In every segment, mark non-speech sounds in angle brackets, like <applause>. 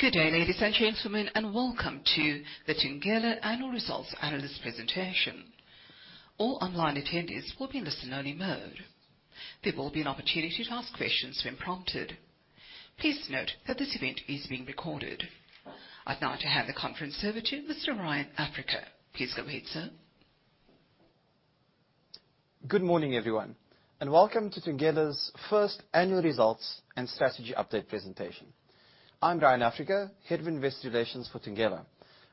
Good day, ladies and gentlemen, and welcome to the Thungela Annual Results Analyst Presentation. All online attendees will be in listen-only mode. There will be an opportunity to ask questions when prompted. Please note that this event is being recorded. I'd now like to hand the conference over to Mr. Ryan Africa. Please go ahead, sir. Good morning, everyone, and welcome to Thungela's First Annual Results and Strategy Update Presentation. I'm Ryan Africa, Head of Investor Relations for Thungela,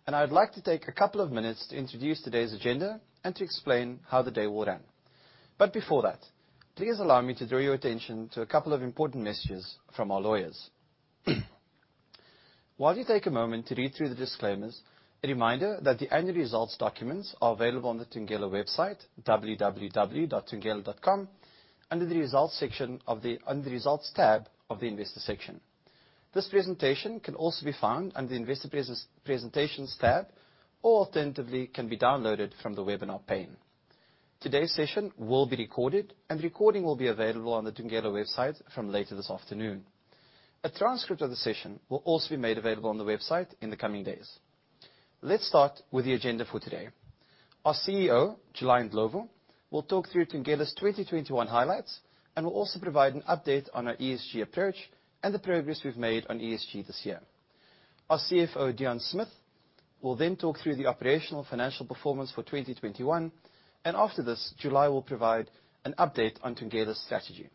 and I'd like to take a couple of minutes to introduce today's agenda and to explain how the day will run. Before that, please allow me to draw your attention to a couple of important messages from our lawyers. While you take a moment to read through the disclaimers, a reminder that the annual results documents are available on the Thungela website, www.thungela.com, under the results section on the Results tab of the Investor section. This presentation can also be found under the Investor Presentations tab, or alternatively can be downloaded from the webinar pane. Today's session will be recorded, and the recording will be available on the Thungela website from later this afternoon. A transcript of the session will also be made available on the website in the coming days. Let's start with the agenda for today. Our CEO, July Ndlovu, will talk through Thungela's 2021 highlights and will also provide an update on our ESG approach and the progress we've made on ESG this year. Our CFO, Deon Smith, will then talk through the operational financial performance for 2021, and after this, July will provide an update on Thungela's strategy.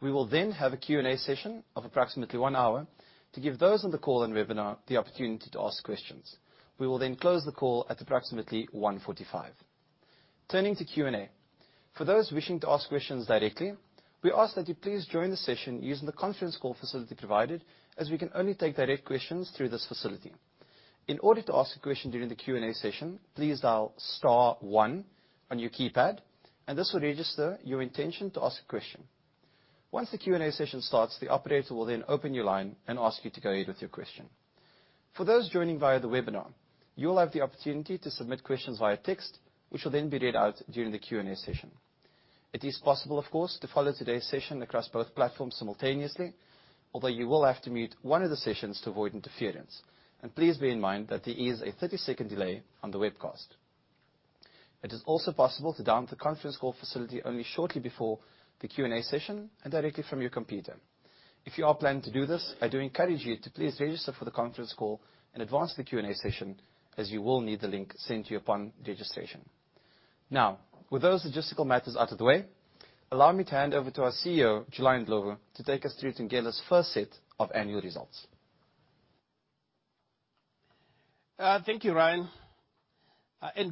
We will then have a Q&A session of approximately one hour to give those on the call and webinar the opportunity to ask questions. We will then close the call at approximately 1:45 P.M. Turning to Q&A. For those wishing to ask questions directly, we ask that you please join the session using the conference call facility provided, as we can only take direct questions through this facility. In order to ask a question during the Q&A session, please dial star 1 on your keypad, and this will register your intention to ask a question. Once the Q&A session starts, the operator will then open your line and ask you to go ahead with your question. For those joining via the webinar, you'll have the opportunity to submit questions via text, which will then be read out during the Q&A session. It is possible, of course, to follow today's session across both platforms simultaneously, although you will have to mute one of the sessions to avoid interference. Please bear in mind that there is a 30-second delay on the webcast. It is also possible to dial the conference call facility only shortly before the Q&A session and directly from your computer. If you are planning to do this, I do encourage you to please register for the conference call in advance of the Q&A session, as you will need the link sent to you upon registration. Now, with those logistical matters out of the way, allow me to hand over to our CEO, July Ndlovu, to take us through Thungela's first set of annual results. Thank you, Ryan.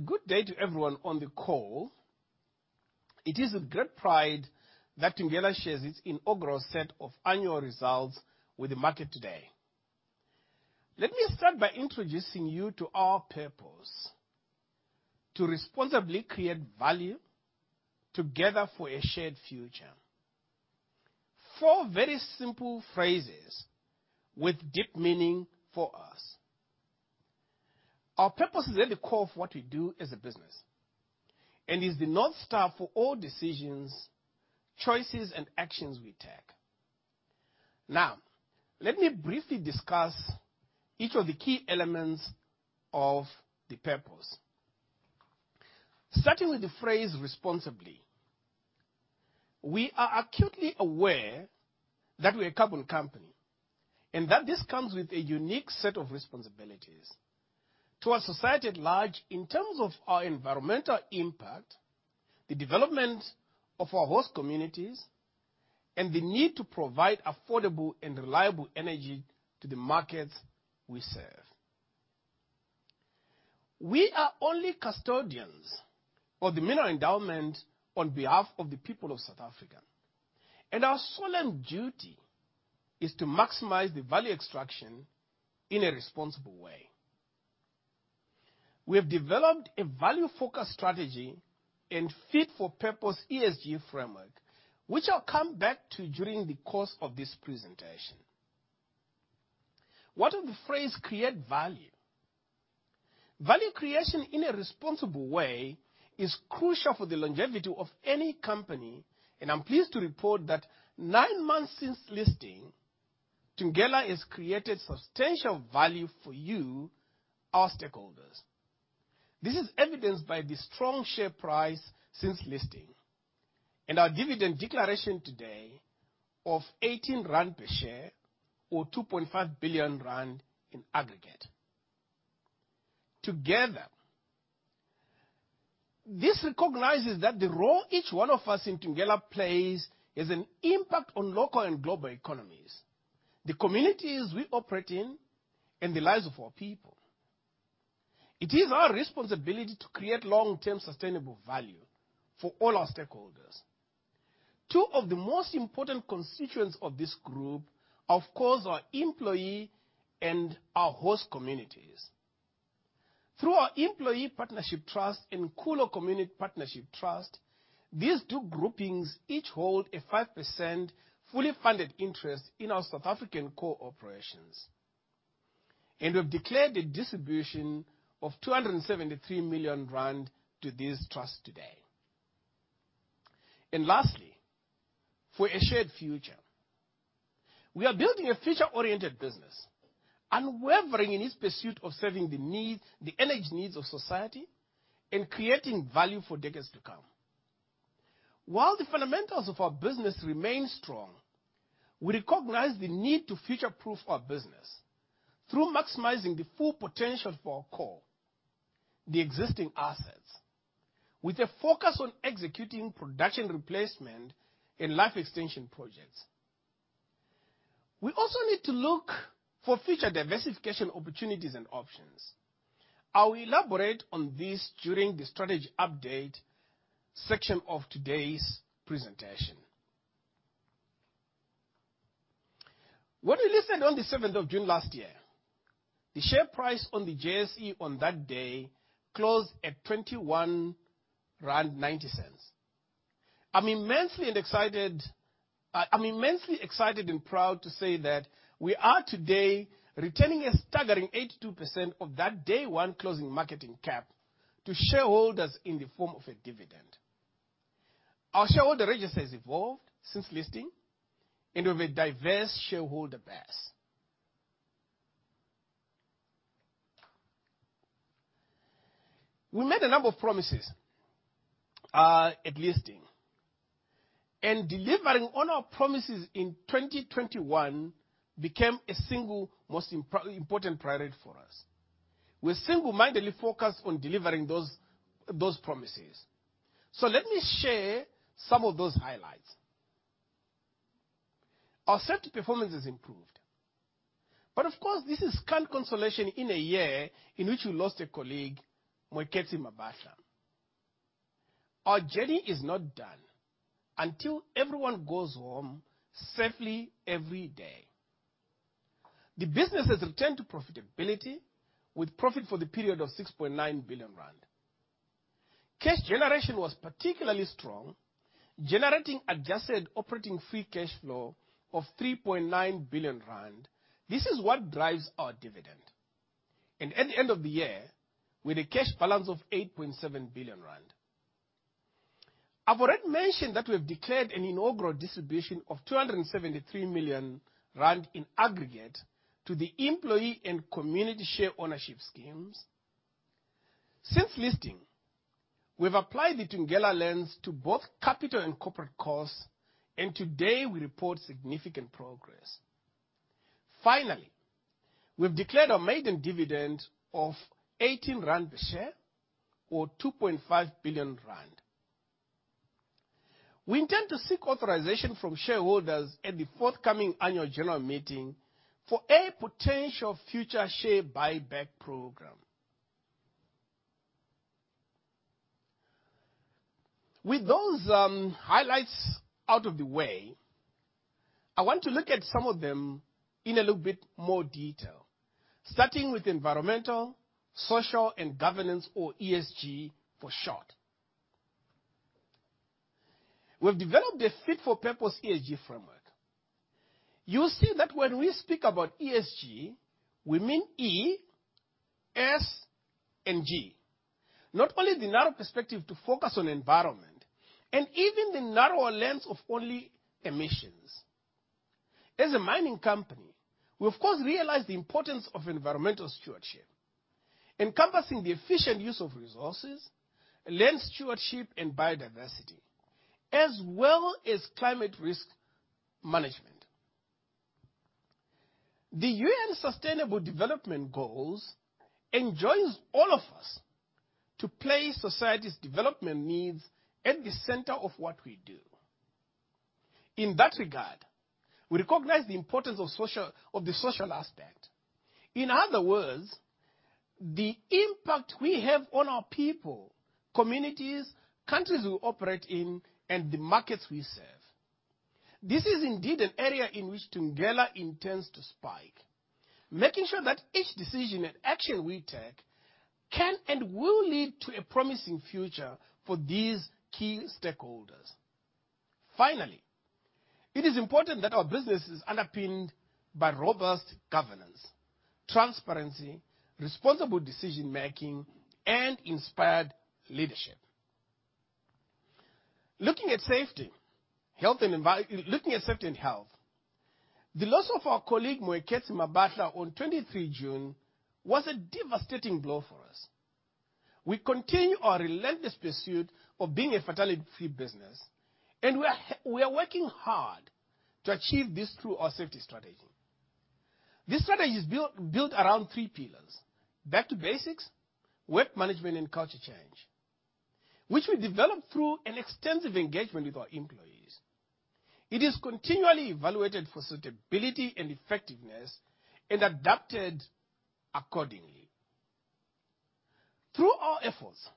Good day to everyone on the call. It is with great pride that Thungela shares its inaugural set of annual results with the market today. Let me start by introducing you to our purpose: to responsibly create value together for a shared future. Four very simple phrases with deep meaning for us. Our purpose is really the core of what we do as a business, and is the North Star for all decisions, choices, and actions we take. Now, let me briefly discuss each of the key elements of the purpose. Starting with the phrase responsibly. We are acutely aware that we're a carbon company, and that this comes with a unique set of responsibilities to our society at large in terms of our environmental impact, the development of our host communities, and the need to provide affordable and reliable energy to the markets we serve. We are only custodians of the mineral endowment on behalf of the people of South Africa, and our solemn duty is to maximize the value extraction in a responsible way. We have developed a value focus strategy and fit for purpose ESG framework, which I'll come back to during the course of this presentation. What of the phrase create value? Value creation in a responsible way is crucial for the longevity of any company, and I'm pleased to report that nine months since listing, Thungela has created substantial value for you, our stakeholders. This is evidenced by the strong share price since listing and our dividend declaration today of 18 rand per share or 2.5 billion rand in aggregate. Together, this recognizes that the role each one of us in Thungela plays has an impact on local and global economies, the communities we operate in, and the lives of our people. It is our responsibility to create long-term sustainable value for all our stakeholders. Two of the most important constituents of this group, of course, our employee and our host communities. Through our Employee Partnership Trust and Nkulo Community Partnership Trust, these two groupings each hold a 5% fully funded interest in our South African core operations. We've declared a distribution of 273 million rand to this trust today. Lastly, for a shared future, we are building a future-oriented business, unwavering in its pursuit of serving the needs, the energy needs of society and creating value for decades to come. While the fundamentals of our business remain strong, we recognize the need to future-proof our business through maximizing the full potential for our core, the existing assets, with a focus on executing production replacement and life extension projects. We also need to look for future diversification opportunities and options. I will elaborate on this during the Strategy Update section of today's presentation. When we listed on the seventh of June last year, the share price on the JSE on that day closed at 21.90 rand. I'm immensely excited and proud to say that we are today returning a staggering 82% of that Day 1 closing market cap to shareholders in the form of a dividend. Our shareholder register has evolved since listing, and we have a diverse shareholder base. We made a number of promises at listing, and delivering on our promises in 2021 became the single most important priority for us. We're single-mindedly focused on delivering those promises. Let me share some of those highlights. Our safety performance has improved, but of course, this is scant consolation in a year in which we lost a colleague, Moeketsi Mabatla. Our journey is not done until everyone goes home safely every day. The business has returned to profitability, with profit for the period of 6.9 billion rand. Cash generation was particularly strong, generating adjusted operating free cash flow of 3.9 billion rand. This is what drives our dividend. At the end of the year, with a cash balance of 8.7 billion rand. I've already mentioned that we have declared an inaugural distribution of 273 million rand in aggregate to the employee and community share ownership schemes. Since listing, we've applied the Thungela Lens to both capital and corporate costs, and today we report significant progress. Finally, we've declared our maiden dividend of 18 rand per share or 2.5 billion rand. We intend to seek authorization from shareholders at the forthcoming annual general meeting for a potential future share buyback program. With those highlights out of the way, I want to look at some of them in a little bit more detail, starting with environmental, social, and governance or ESG for short. We've developed a fit-for-purpose ESG framework. You'll see that when we speak about ESG, we mean E, S, and G, not only the narrow perspective to focus on environment and even the narrower lens of only emissions. As a mining company, we of course realize the importance of environmental stewardship, encompassing the efficient use of resources, land stewardship, and biodiversity, as well as climate risk management. The UN Sustainable Development Goals enjoins all of us to place society's development needs at the center of what we do. In that regard, we recognize the importance of the social aspect. In other words, the impact we have on our people, communities, countries we operate in, and the markets we serve. This is indeed an area in which Thungela intends to spike, making sure that each decision and action we take can and will lead to a promising future for these key stakeholders. Finally, it is important that our business is underpinned by robust governance, transparency, responsible decision-making, and inspired leadership. Looking at safety and health, the loss of our colleague, Moeketsi Mabatla, on 23 June was a devastating blow for us. We continue our relentless pursuit of being a fatality-free business, and we are working hard to achieve this through our safety strategy. This strategy is built around three pillars: back to basics, work management, and culture change, which we developed through an extensive engagement with our employees. It is continually evaluated for suitability and effectiveness and adapted accordingly. Through our efforts,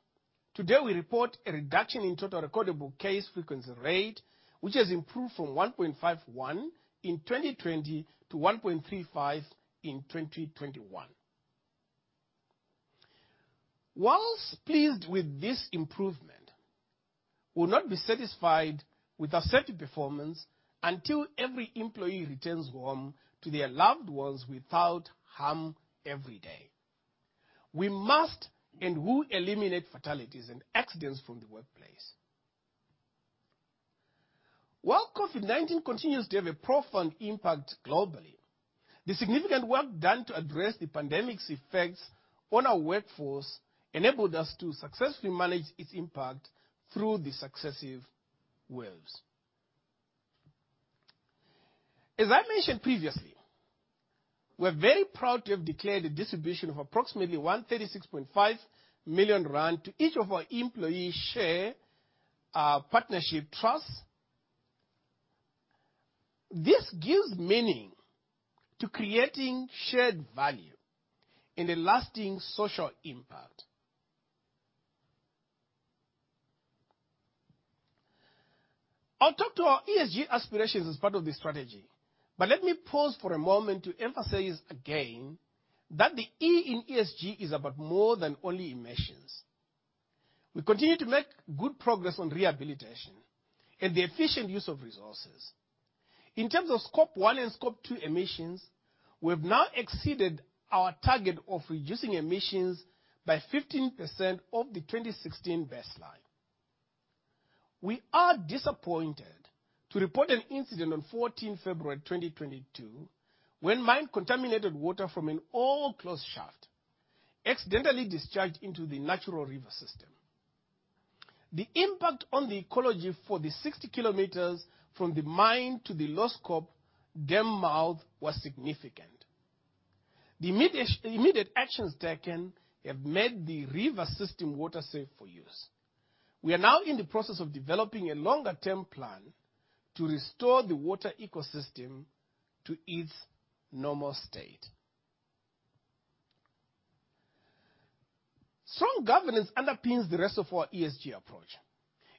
today we report a reduction in total recordable case frequency rate, which has improved from 1.51 in 2020 to 1.35 in 2021. While pleased with this improvement, we'll not be satisfied with our safety performance until every employee returns home to their loved ones without harm every day. We must and will eliminate fatalities and accidents from the workplace. While COVID-19 continues to have a profound impact globally, the significant work done to address the pandemic's effects on our workforce enabled us to successfully manage its impact through the successive waves. As I mentioned previously, we're very proud to have declared a distribution of approximately 136.5 million rand to each of our employee share partnership trusts. This gives meaning to creating shared value and a lasting social impact. I'll talk to our ESG aspirations as part of the strategy, but let me pause for a moment to emphasize again that the E in ESG is about more than only emissions. We continue to make good progress on rehabilitation and the efficient use of resources. In terms of Scope 1 and Scope 2 emissions, we have now exceeded our target of reducing emissions by 15% from the 2016 baseline. We are disappointed to report an incident on 14 February 2022, when mine contaminated water from an old closed shaft accidentally discharged into the natural river system. The impact on the ecology for the 60 km from the mine to the Loskop Dam mouth was significant. The immediate actions taken have made the river system water safe for use. We are now in the process of developing a longer term plan to restore the water ecosystem to its normal state. Strong governance underpins the rest of our ESG approach,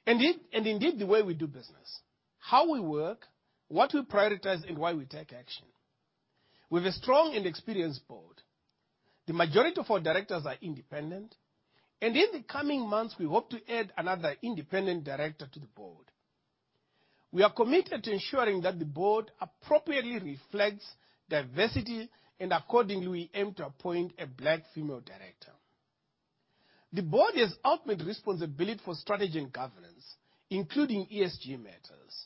and indeed the way we do business, how we work, what we prioritize, and why we take action. We have a strong and experienced board. The majority of our directors are independent, and in the coming months, we hope to add another independent director to the board. We are committed to ensuring that the board appropriately reflects diversity, and accordingly, we aim to appoint a black female director. The board has ultimate responsibility for strategy and governance, including ESG matters.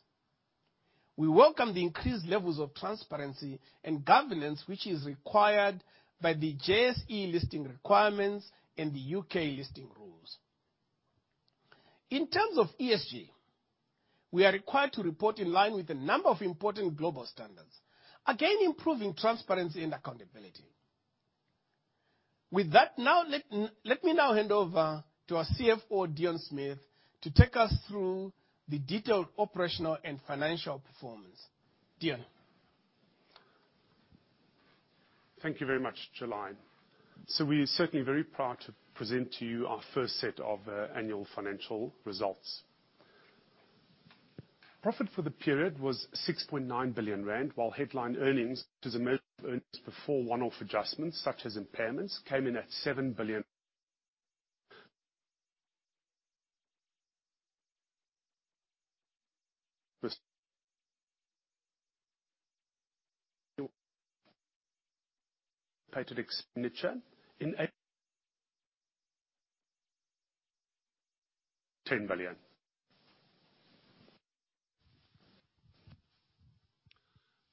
We welcome the increased levels of transparency and governance, which is required by the JSE listing requirements and the UK Listing Rules. In terms of ESG, we are required to report in line with a number of important global standards, again, improving transparency and accountability. With that, let me now hand over to our CFO, Deon Smith, to take us through the detailed operational and financial performance. Deon? Thank you very much, July. We're certainly very proud to present to you our first set of annual financial results. Profit for the period was 6.9 billion rand, while headline earnings, which is earnings before one-off adjustments such as impairments, came in at 7 billion. CapEx and OpEx in ZAR 10 billion.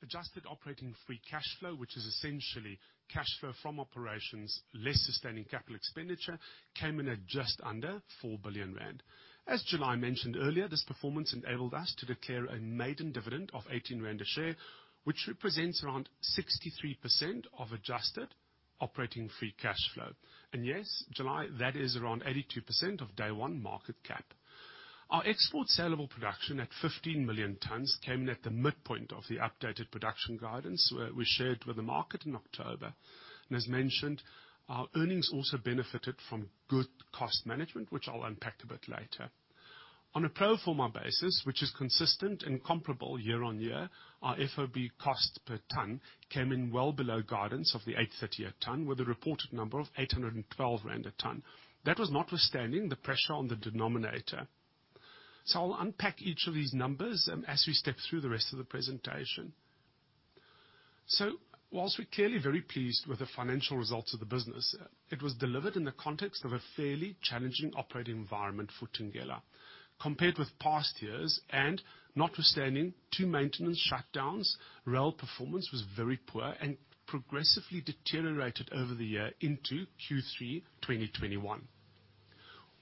Adjusted operating free cash flow, which is essentially cash flow from operations less sustaining capital expenditure, came in at just under 4 billion rand. As July mentioned earlier, this performance enabled us to declare a maiden dividend of 18 rand a share, which represents around 63% of adjusted operating free cash flow. Yes, July, that is around 82% of Day 1 market cap. Our export saleable production at 15 million tons came in at the midpoint of the updated production guidance we shared with the market in October. As mentioned, our earnings also benefited from good cost management, which I'll unpack a bit later. On a pro forma basis, which is consistent and comparable year-on-year, our FOB cost per ton came in well below guidance of 838/ton with a reported number of 812 rand/ton. That was notwithstanding the pressure on the denominator. I'll unpack each of these numbers as we step through the rest of the presentation. While we're clearly very pleased with the financial results of the business, it was delivered in the context of a fairly challenging operating environment for Thungela. Compared with past years, and notwithstanding two maintenance shutdowns, rail performance was very poor and progressively deteriorated over the year into Q3 2021.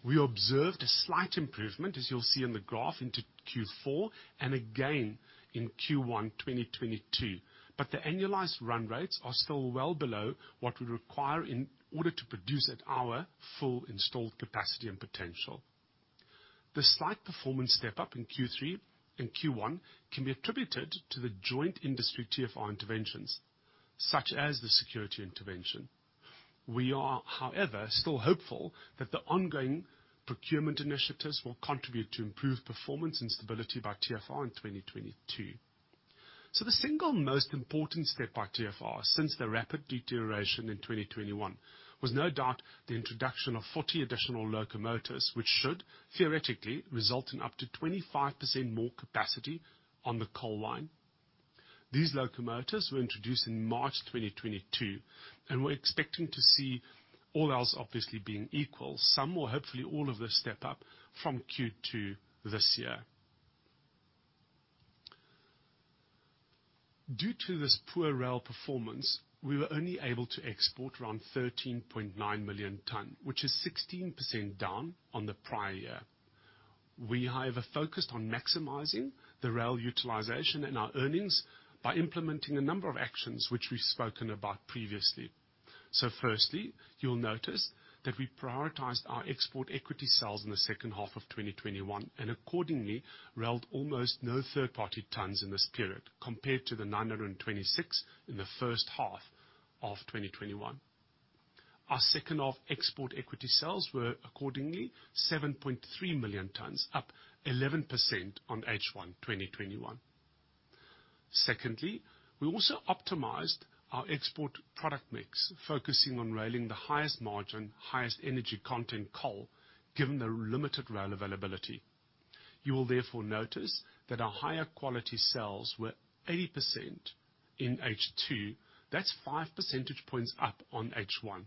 We observed a slight improvement, as you'll see in the graph, into Q4 and again in Q1 2022. The annualized run rates are still well below what we require in order to produce at our full installed capacity and potential. The slight performance step up in Q3 and Q1 can be attributed to the joint industry TFR interventions, such as the security intervention. We are, however, still hopeful that the ongoing procurement initiatives will contribute to improved performance and stability by TFR in 2022. The single most important step by TFR since the rapid deterioration in 2021 was no doubt the introduction of 40 additional locomotives, which should theoretically result in up to 25% more capacity on the coal line. These locomotives were introduced in March 2022, and we're expecting to see all else obviously being equal, some or hopefully all of this step up from Q2 this year. Due to this poor rail performance, we were only able to export around 13.9 million tons, which is 16% down on the prior year. We, however, focused on maximizing the rail utilization and our earnings by implementing a number of actions which we've spoken about previously. Firstly, you'll notice that we prioritized our export equity sales in the second half of 2021, and accordingly railed almost no third-party tons in this period compared to the 926 in the first half of 2021. Our second half export equity sales were accordingly 7.3 million tons, up 11% on H1 2021. Secondly, we also optimized our export product mix, focusing on railing the highest margin, highest energy content coal, given the limited rail availability. You will therefore notice that our higher quality sales were 80% in H2. That's 5 percentage points up on H1.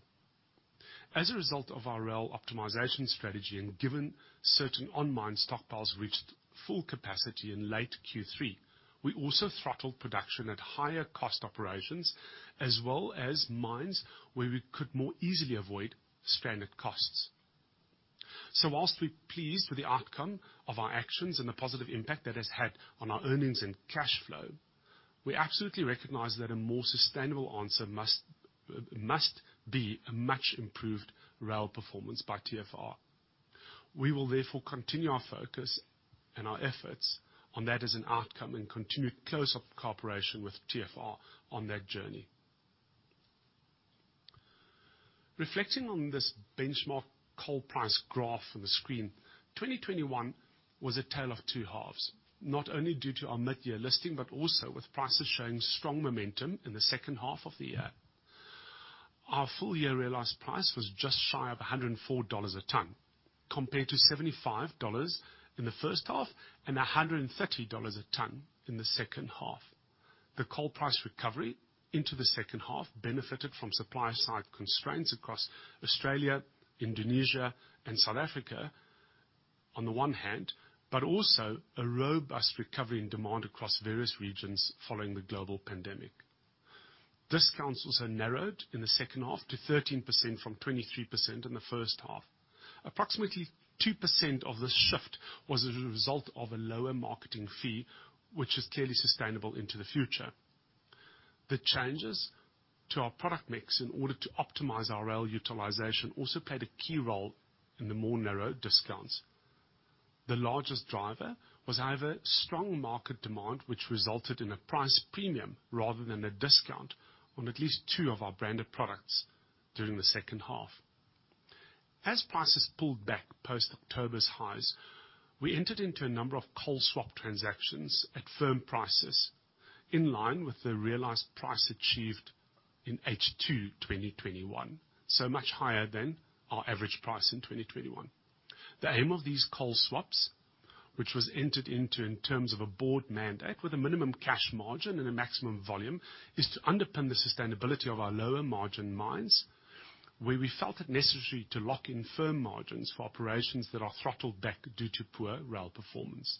As a result of our rail optimization strategy and given certain on-mine stockpiles reached full capacity in late Q3, we also throttled production at higher cost operations as well as mines where we could more easily avoid stranded costs. Whilst we're pleased with the outcome of our actions and the positive impact that has had on our earnings and cash flow, we absolutely recognize that a more sustainable answer must be a much improved rail performance by TFR. We will therefore continue our focus and our efforts on that as an outcome and continue close cooperation with TFR on that journey. Reflecting on this benchmark coal price graph on the screen, 2021 was a tale of two halves, not only due to our mid-year listing, but also with prices showing strong momentum in the second half of the year. Our full year realized price was just shy of $104 a ton, compared to $75 in the first half and $130 a ton in the second half. The coal price recovery into the second half benefited from supply side constraints across Australia, Indonesia, and South Africa on the one hand, but also a robust recovery in demand across various regions following the global pandemic. Discounts also narrowed in the second half to 13% from 23% in the first half. Approximately 2% of this shift was as a result of a lower marketing fee, which is clearly sustainable into the future. The changes to our product mix in order to optimize our rail utilization also played a key role in the more narrow discounts. The largest driver was however strong market demand, which resulted in a price premium rather than a discount on at least two of our branded products during the second half. As prices pulled back post-October's highs, we entered into a number of coal swap transactions at firm prices in line with the realized price achieved in H2 2021, so much higher than our average price in 2021. The aim of these coal swaps, which was entered into in terms of a board mandate with a minimum cash margin and a maximum volume, is to underpin the sustainability of our lower margin mines, where we felt it necessary to lock in firm margins for operations that are throttled back due to poor rail performance.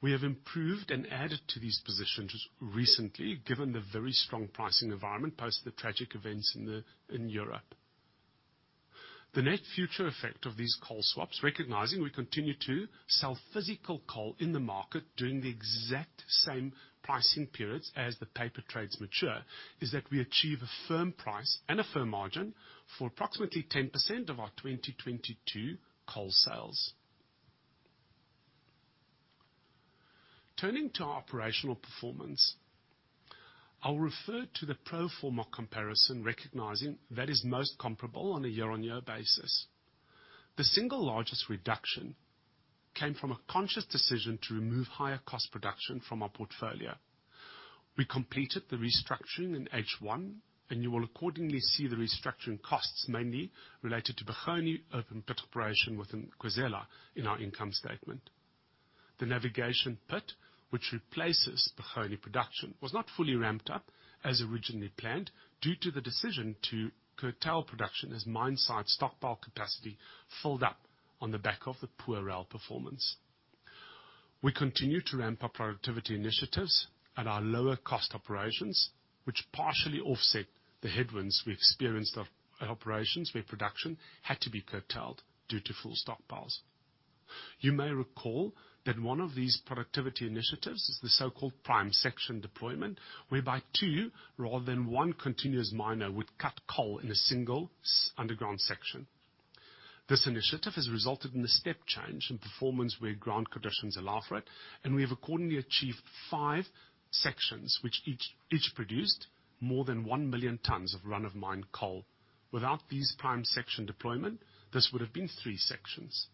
We have improved and added to these positions recently, given the very strong pricing environment post the tragic events in Europe. The net future effect of these coal swaps, recognizing we continue to sell physical coal in the market during the exact same pricing periods as the paper trades mature, is that we achieve a firm price and a firm margin for approximately 10% of our 2022 coal sales. Turning to our operational performance, I'll refer to the pro forma comparison, recognizing that is most comparable on a year-on-year basis. The single largest reduction came from a conscious decision to remove higher cost production from our portfolio. We completed the restructuring in H1, and you will accordingly see the restructuring costs mainly related to Bokgoni open pit operation within Khwezela in our income statement. The Navigation Pit, which replaces Bokgoni production, was not fully ramped up as originally planned due to the decision to curtail production as mine site stockpile capacity filled up on the back of the poor rail performance. We continue to ramp up productivity initiatives at our lower cost operations, which partially offset the headwinds we experienced at operations where production had to be curtailed due to full stockpiles. You may recall that one of these productivity initiatives is the so-called Prime Section Deployment, whereby two rather than one continuous miner would cut coal in a single underground section. This initiative has resulted in a step change in performance where ground conditions allow for it, and we have accordingly achieved five sections which each produced more than 1 million tons of run of mine coal. Without these prime section deployment, this would have been three sections.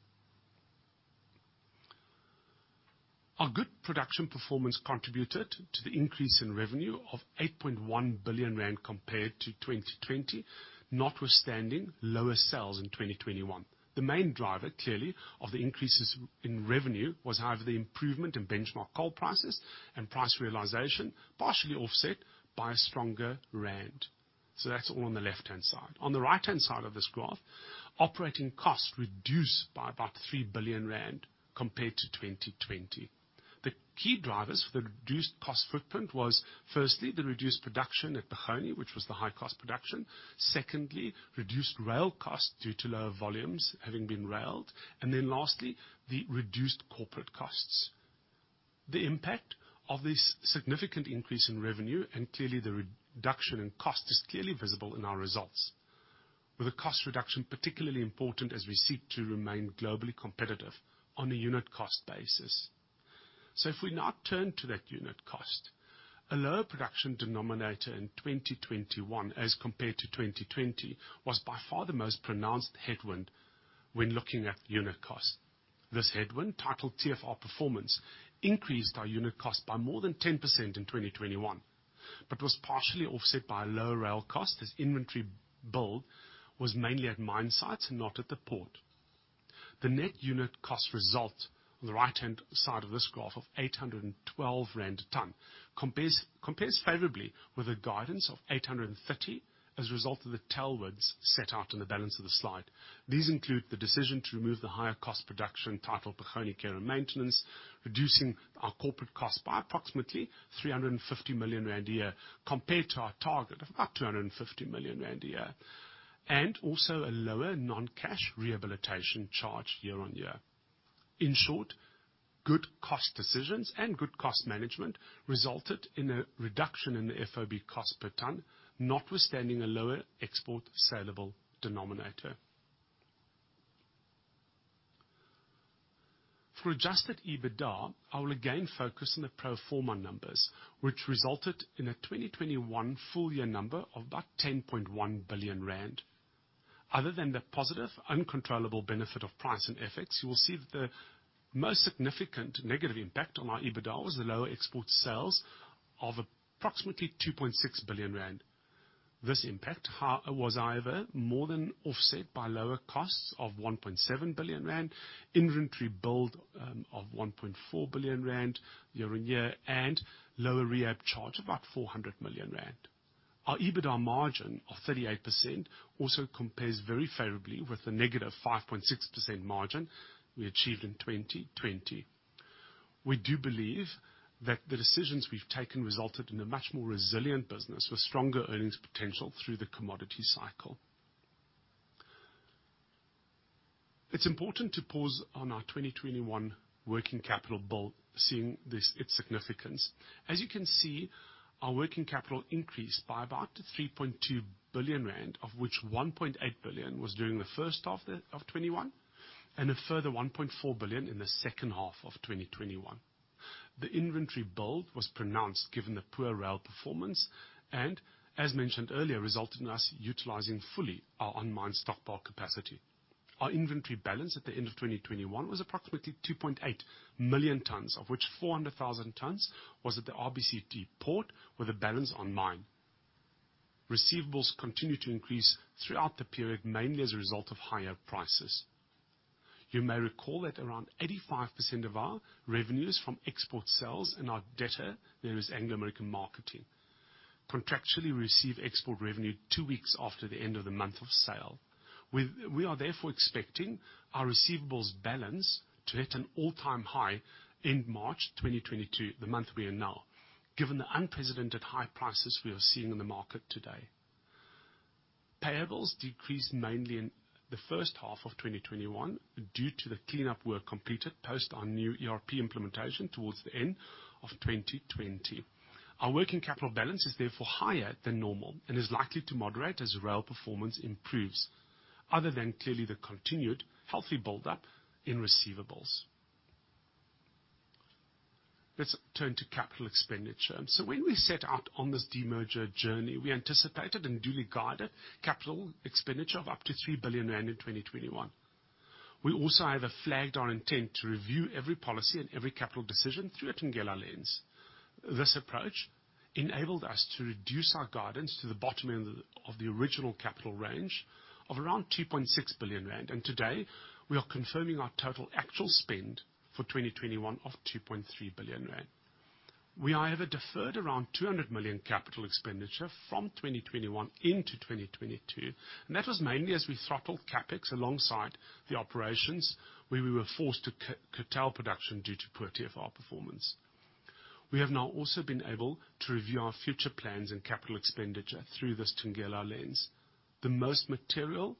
Our good production performance contributed to the increase in revenue of 8.1 billion rand compared to 2020, notwithstanding lower sales in 2021. The main driver, clearly, of the increases in revenue was however the improvement in benchmark coal prices and price realization, partially offset by a stronger rand. That's all on the left-hand side. On the right-hand side of this graph, operating costs reduced by about 3 billion rand compared to 2020. The key drivers for the reduced cost footprint was firstly, the reduced production at Bokgoni, which was the high-cost production. Secondly, reduced rail costs due to lower volumes having been railed. Then lastly, the reduced corporate costs. The impact of this significant increase in revenue, and clearly the reduction in cost is clearly visible in our results, with a cost reduction particularly important as we seek to remain globally competitive on a unit cost basis. If we now turn to that unit cost, a lower production denominator in 2021 as compared to 2020 was by far the most pronounced headwind when looking at unit costs. This headwind, titled TFR Performance, increased our unit cost by more than 10% in 2021, but was partially offset by lower rail costs, as inventory build was mainly at mine sites and not at the port. The net unit cost result on the right-hand side of this graph of 812 rand a ton compares favorably with a guidance of 830 as a result of the tailwinds set out in the balance of the slide. These include the decision to remove the higher cost production site, Bokgoni care and maintenance, reducing our corporate costs by approximately 350 million rand a year compared to our target of about 250 million rand a year, and also a lower non-cash rehabilitation charge year on year. In short, good cost decisions and good cost management resulted in a reduction in the FOB cost per ton, notwithstanding a lower export saleable denominator. For Adjusted EBITDA, I will again focus on the pro forma numbers, which resulted in a 2021 full year number of about 10.1 billion rand. Other than the positive, uncontrollable benefit of price and FX, you will see that the most significant negative impact on our EBITDA was the lower export sales of approximately 2.6 billion rand. This impact however was either more than offset by lower costs of 1.7 billion rand, inventory build of 1.4 billion rand year-on-year and lower rehab charge of about 400 million rand. Our EBITDA margin of 38% also compares very favorably with the -5.6% margin we achieved in 2020. We do believe that the decisions we've taken resulted in a much more resilient business with stronger earnings potential through the commodity cycle. It's important to pause on our 2021 working capital build, seeing this, its significance. As you can see, our working capital increased by about 3.2 billion rand, of which 1.8 billion was during the first half of 2021, and a further 1.4 billion in the second half of 2021. The inventory build was pronounced given the poor rail performance, and as mentioned earlier, resulted in us utilizing fully our on-mine stockpile capacity. Our inventory balance at the end of 2021 was approximately 2.8 million tons, of which 400,000 tons was at the RBCT port with a balance on mine. Receivables continued to increase throughout the period, mainly as a result of higher prices. You may recall that around 85% of our revenue is from export sales and our debtor, that is Anglo American Marketing, contractually receive export revenue two weeks after the end of the month of sale. We are therefore expecting our receivables balance to hit an all-time high in March 2022, the month we are now, given the unprecedented high prices we are seeing in the market today. Payables decreased mainly in the first half of 2021 due to the cleanup work completed post our new ERP implementation towards the end of 2020. Our working capital balance is therefore higher than normal and is likely to moderate as rail performance improves, other than clearly the continued healthy build-up in receivables. Let's turn to capital expenditure. When we set out on this demerger journey, we anticipated and duly guided capital expenditure of up to 3 billion rand in 2021. We also either flagged our intent to review every policy and every capital decision through a Thungela Lens. This approach enabled us to reduce our guidance to the bottom end of the original capital range of around 2.6 billion rand. Today, we are confirming our total actual spend for 2021 of 2.3 billion rand. We thereafter deferred around 200 million capital expenditure from 2021 into 2022, and that was mainly as we throttled CapEx alongside the operations where we were forced to curtail production due to poor TFR performance. We have now also been able to review our future plans and capital expenditure through this Thungela Lens. The most material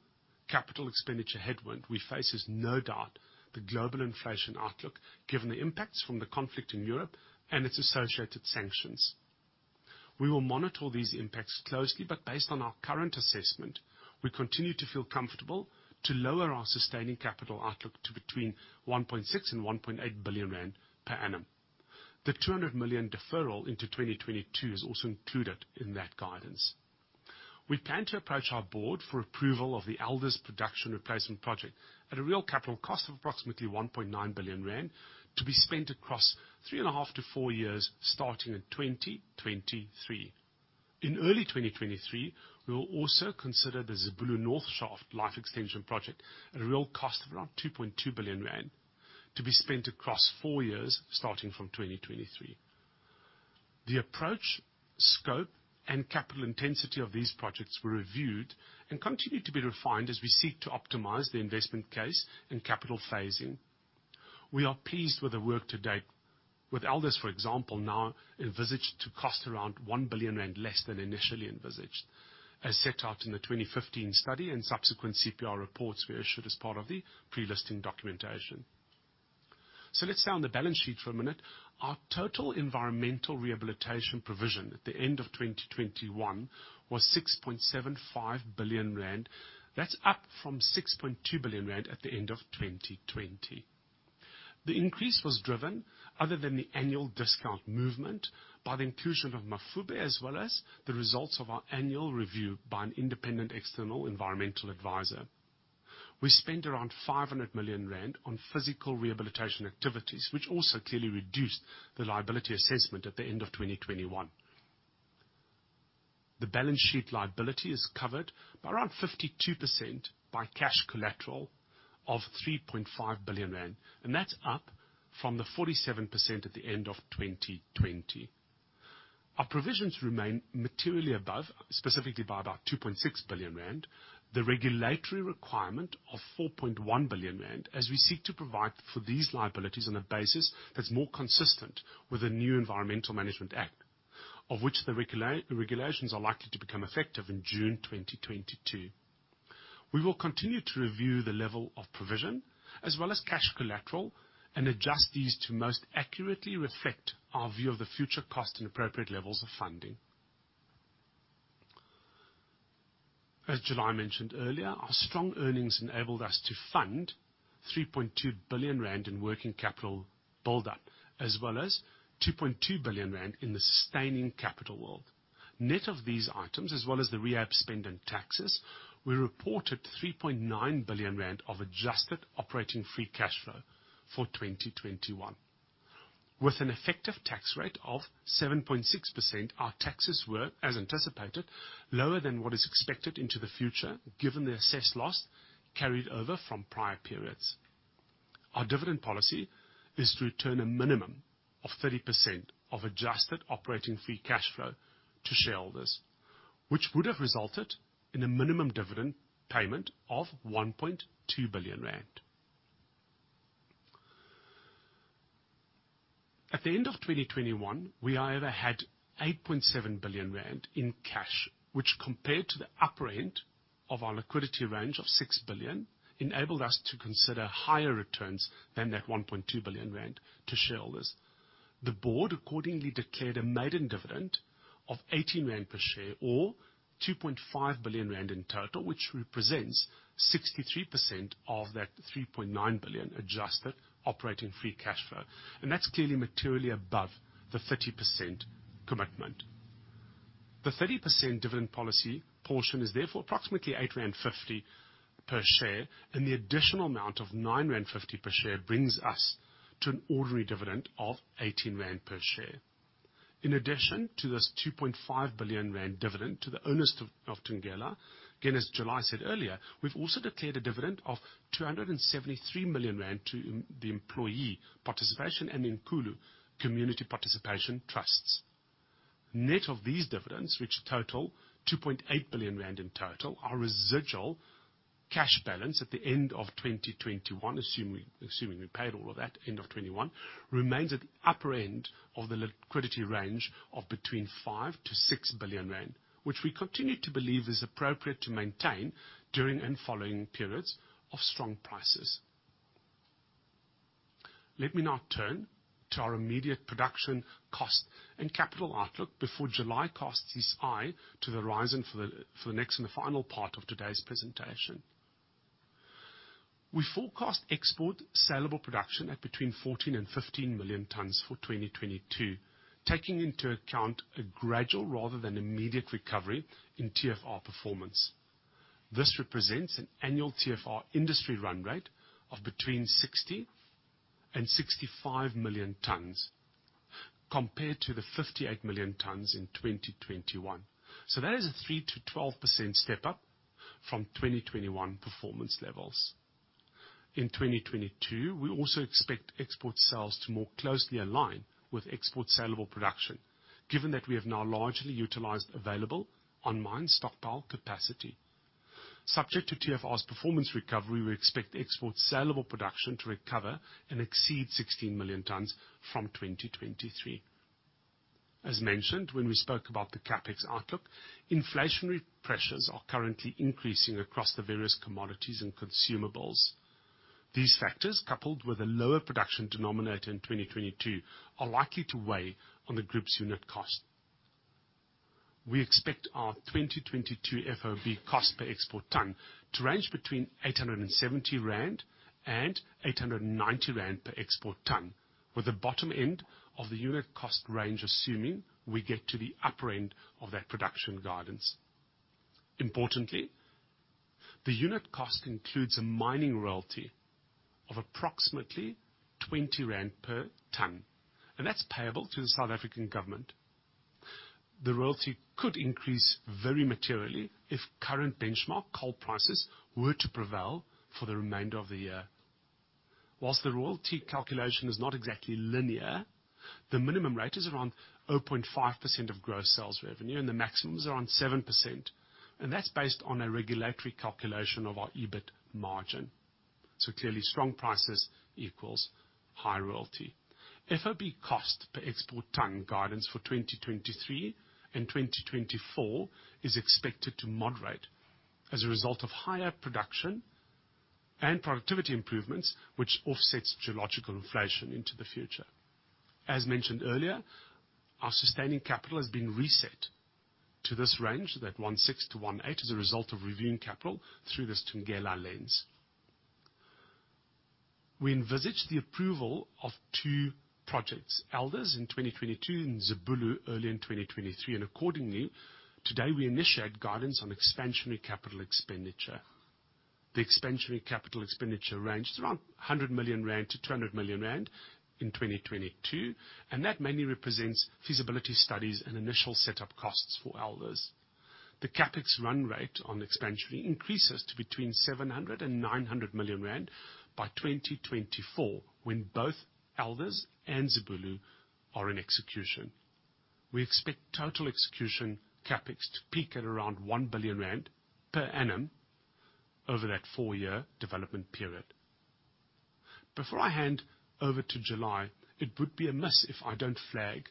capital expenditure headwind we face is no doubt the global inflation outlook, given the impacts from the conflict in Europe and its associated sanctions. We will monitor these impacts closely, but based on our current assessment, we continue to feel comfortable to lower our sustaining capital outlook to between 1.6 billion and 1.8 billion rand per annum. The 200 million deferral into 2022 is also included in that guidance. We plan to approach our board for approval of the Elders production replacement project at a real capital cost of approximately 1.9 billion rand to be spent across 3.5-4 years starting in 2023. In early 2023, we will also consider the Zibulo North Shaft life extension project at a real cost of around 2.2 billion rand to be spent across four years starting from 2023. The approach, scope, and capital intensity of these projects were reviewed and continue to be refined as we seek to optimize the investment case in capital phasing. We are pleased with the work to date, with Elders, for example, now envisaged to cost around 1 billion rand less than initially envisaged, as set out in the 2015 study and subsequent CPR reports we issued as part of the pre-listing documentation. Let's stay on the balance sheet for a minute. Our total environmental rehabilitation provision at the end of 2021 was 6.75 billion rand. That's up from 6.2 billion rand at the end of 2020. The increase was driven, other than the annual discount movement, by the inclusion of Mafube as well as the results of our annual review by an independent external environmental advisor. We spent around 500 million rand on physical rehabilitation activities, which also clearly reduced the liability assessment at the end of 2021. The balance sheet liability is covered by around 52% by cash collateral of 3.5 billion rand, and that's up from the 47% at the end of 2020. Our provisions remain materially above, specifically by about 2.6 billion rand. The regulatory requirement of 4.1 billion rand, as we seek to provide for these liabilities on a basis that's more consistent with the new Environmental Management Act, of which the regulations are likely to become effective in June 2022. We will continue to review the level of provision as well as cash collateral and adjust these to most accurately reflect our view of the future cost and appropriate levels of funding. As July mentioned earlier, our strong earnings enabled us to fund 3.2 billion rand in working capital buildup, as well as 2.2 billion rand in the sustaining capital work. Net of these items, as well as the rehab spend and taxes, we reported 3.9 billion rand of adjusted operating free cash flow for 2021. With an effective tax rate of 7.6%, our taxes were, as anticipated, lower than what is expected into the future, given the assessed loss carried over from prior periods. Our dividend policy is to return a minimum of 30% of adjusted operating free cash flow to shareholders, which would have resulted in a minimum dividend payment of 1.2 billion rand. At the end of 2021, we either had 8.7 billion rand in cash, which compared to the upper end of our liquidity range of 6 billion, enabled us to consider higher returns than that 1.2 billion rand to shareholders. The board accordingly declared a maiden dividend of 18 rand per share or 2.5 billion rand in total, which represents 63% of that 3.9 billion adjusted operating free cash flow. That's clearly materially above the 30% commitment. The 30% dividend policy portion is therefore approximately 8.50 rand per share, and the additional amount of 9.50 rand per share brings us to an ordinary dividend of 18 rand per share. In addition to this 2.5 billion rand dividend to the owners of Thungela, again, as July said earlier, we've also declared a dividend of 273 million rand to the employee participation and Nkulo Community Participation Trusts. Net of these dividends, which total 2.8 billion rand in total, our residual cash balance at the end of 2021, assuming we paid all of that end of 2021, remains at the upper end of the liquidity range of between 5 billion-6 billion rand, which we continue to believe is appropriate to maintain during and following periods of strong prices. Let me now turn to our immediate production cost and capital outlook before July casts his eye to the horizon for the next and the final part of today's presentation. We forecast export saleable production at 14 million-15 million tons for 2022, taking into account a gradual rather than immediate recovery in TFR performance. This represents an annual TFR industry run rate of 60 million-65 million tons, compared to the 58 million tons in 2021. That is a 3%-12% step up from 2021 performance levels. In 2022, we also expect export sales to more closely align with export saleable production, given that we have now largely utilized available on-mine stockpile capacity. Subject to TFR's performance recovery, we expect export saleable production to recover and exceed 16 million tons from 2023. As mentioned when we spoke about the CapEx outlook, inflationary pressures are currently increasing across the various commodities and consumables. These factors, coupled with a lower production denominator in 2022, are likely to weigh on the group's unit cost. We expect our 2022 FOB cost per export ton to range between 870 rand and 890 rand per export ton, with the bottom end of the unit cost range, assuming we get to the upper end of that production guidance. Importantly, the unit cost includes a mining royalty of approximately 20 rand per ton, and that's payable to the South African government. The royalty could increase very materially if current benchmark coal prices were to prevail for the remainder of the year. While the royalty calculation is not exactly linear, the minimum rate is around 0.5% of gross sales revenue, and the maximum is around 7%, and that's based on a regulatory calculation of our EBIT margin. Clearly strong prices equals high royalty. FOB Cost per Export Tonne guidance for 2023 and 2024 is expected to moderate as a result of higher production and productivity improvements which offsets geological inflation into the future. As mentioned earlier, our sustaining capital has been reset to this range, 160-180 as a result of reviewing capital through this Thungela Lens. We envisage the approval of two projects, Elders in 2022 and Zibulo early in 2023, and accordingly, today we initiate guidance on expansionary capital expenditure. The expansionary capital expenditure range is around 100 million-200 million rand in 2022, and that mainly represents feasibility studies and initial setup costs for Elders. The CapEx run rate on expansion increases to between 700 million rand and 900 million rand by 2024 when both Elders and Zibulo are in execution. We expect total execution CapEx to peak at around 1 billion rand per annum over that four-year development period. Before I hand over to July, it would be amiss if I don't flag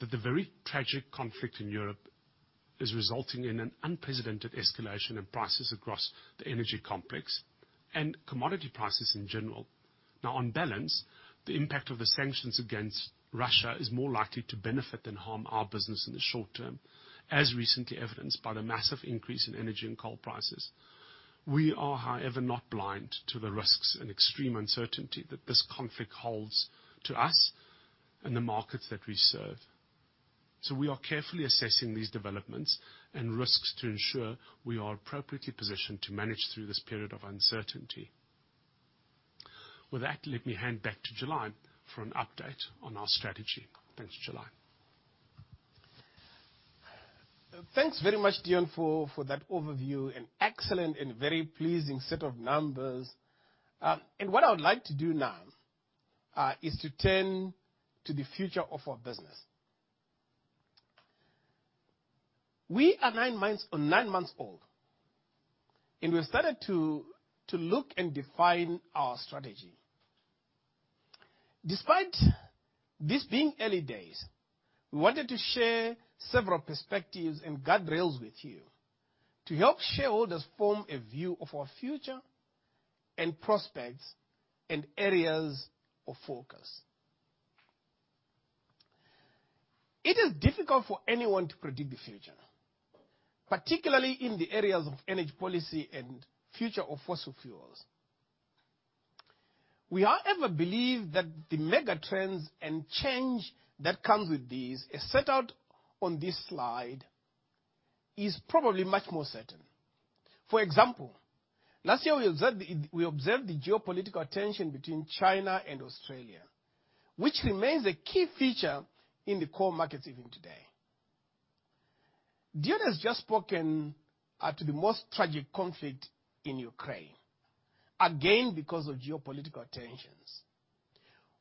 that the very tragic conflict in Europe is resulting in an unprecedented escalation in prices across the energy complex and commodity prices in general. Now on balance, the impact of the sanctions against Russia is more likely to benefit than harm our business in the short term, as recently evidenced by the massive increase in energy and coal prices. We are, however, not blind to the risks and extreme uncertainty that this conflict holds to us and the markets that we serve. We are carefully assessing these developments and risks to ensure we are appropriately positioned to manage through this period of uncertainty. With that, let me hand back to July for an update on our strategy. Thanks. July. Thanks very much, Deon, for that overview, an excellent and very pleasing set of numbers. What I would like to do now is to turn to the future of our business. We are nine months old, and we have started to look and define our strategy. Despite this being early days, we wanted to share several perspectives and guardrails with you to help shareholders form a view of our future and prospects and areas of focus. It is difficult for anyone to predict the future, particularly in the areas of energy policy and future of fossil fuels. We, however, believe that the mega trends and change that comes with these, as set out on this slide, is probably much more certain. For example, last year we observed the geopolitical tension between China and Australia, which remains a key feature in the coal markets even today. Deon has just spoken to the most tragic conflict in Ukraine, again because of geopolitical tensions.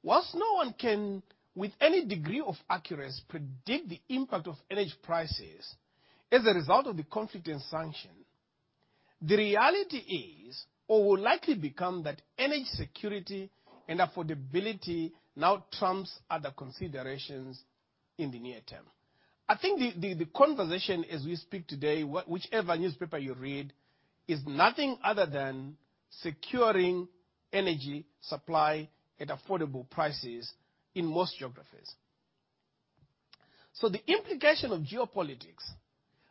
While no one can, with any degree of accuracy, predict the impact of energy prices as a result of the conflict and sanction, the reality is, or will likely become, that energy security and affordability now trumps other considerations in the near term. I think the conversation as we speak today, whichever newspaper you read, is nothing other than securing energy supply at affordable prices in most geographies. The implication of geopolitics,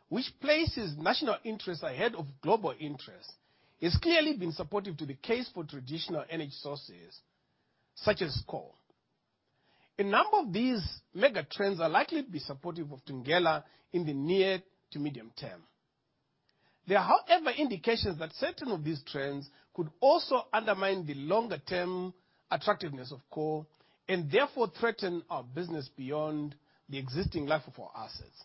which places national interests ahead of global interests, has clearly been supportive to the case for traditional energy sources such as coal. A number of these mega trends are likely to be supportive of Thungela in the near to medium term. There are, however, indications that certain of these trends could also undermine the longer-term attractiveness of coal, and therefore threaten our business beyond the existing life of our assets.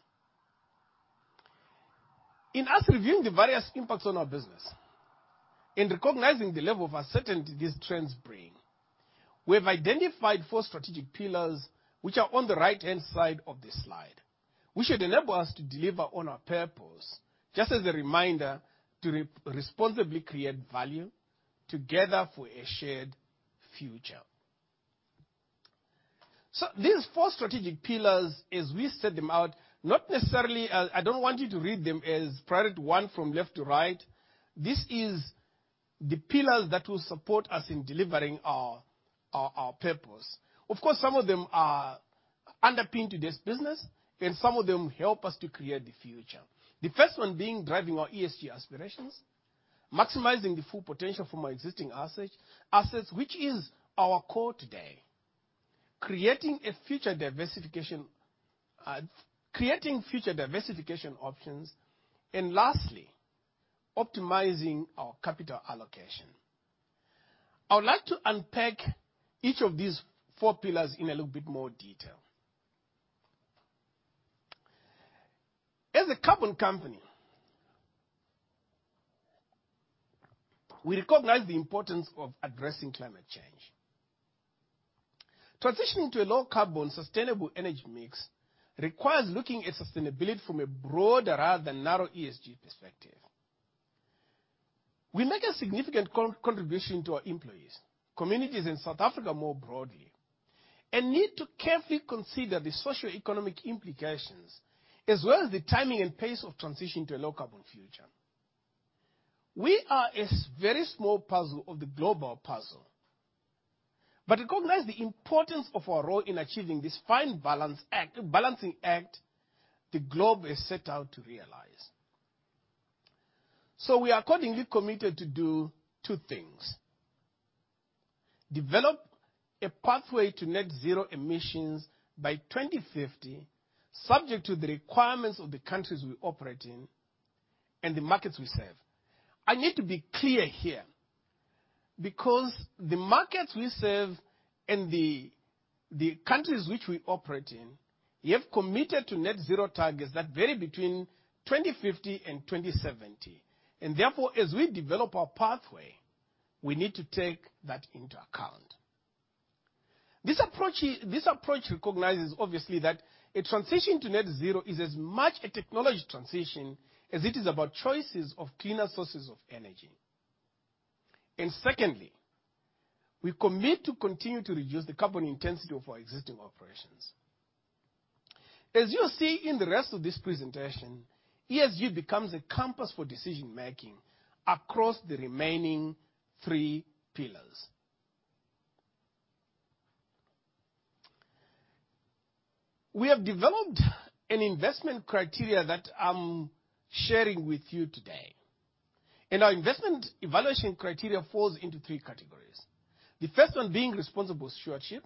In reviewing the various impacts on our business and recognizing the level of uncertainty these trends bring, we have identified four strategic pillars which are on the right-hand side of this slide, which should enable us to deliver on our purpose, just as a reminder, to responsibly create value together for a shared future. These four strategic pillars, as we set them out, not necessarily. I don't want you to read them as priority one from left to right. These are the pillars that will support us in delivering our purpose. Of course, some of them underpin this business, and some of them help us to create the future. The first one being driving our ESG aspirations, maximizing the full potential from our existing assets, which is our core today. Creating future diversification options, and lastly, optimizing our capital allocation. I would like to unpack each of these four pillars in a little bit more detail. As a carbon company, we recognize the importance of addressing climate change. Transitioning to a low carbon sustainable energy mix requires looking at sustainability from a broader rather than narrow ESG perspective. We make a significant contribution to our employees and communities in South Africa more broadly, and need to carefully consider the socio-economic implications as well as the timing and pace of transitioning to a low carbon future. We are a very small puzzle of the global puzzle, but recognize the importance of our role in achieving this balancing act the globe has set out to realize. We are accordingly committed to do two things, develop a pathway to net zero emissions by 2050, subject to the requirements of the countries we operate in and the markets we serve. I need to be clear here, because the markets we serve and the countries which we operate in, we have committed to net zero targets that vary between 2050 and 2070, and therefore, as we develop our pathway, we need to take that into account. This approach recognizes, obviously, that a transition to net zero is as much a technology transition as it is about choices of cleaner sources of energy. Secondly, we commit to continue to reduce the carbon intensity of our existing operations. As you'll see in the rest of this presentation, ESG becomes a compass for decision-making across the remaining three pillars. We have developed an investment criteria that I'm sharing with you today, and our investment evaluation criteria falls into three categories. The first one being responsible stewardship,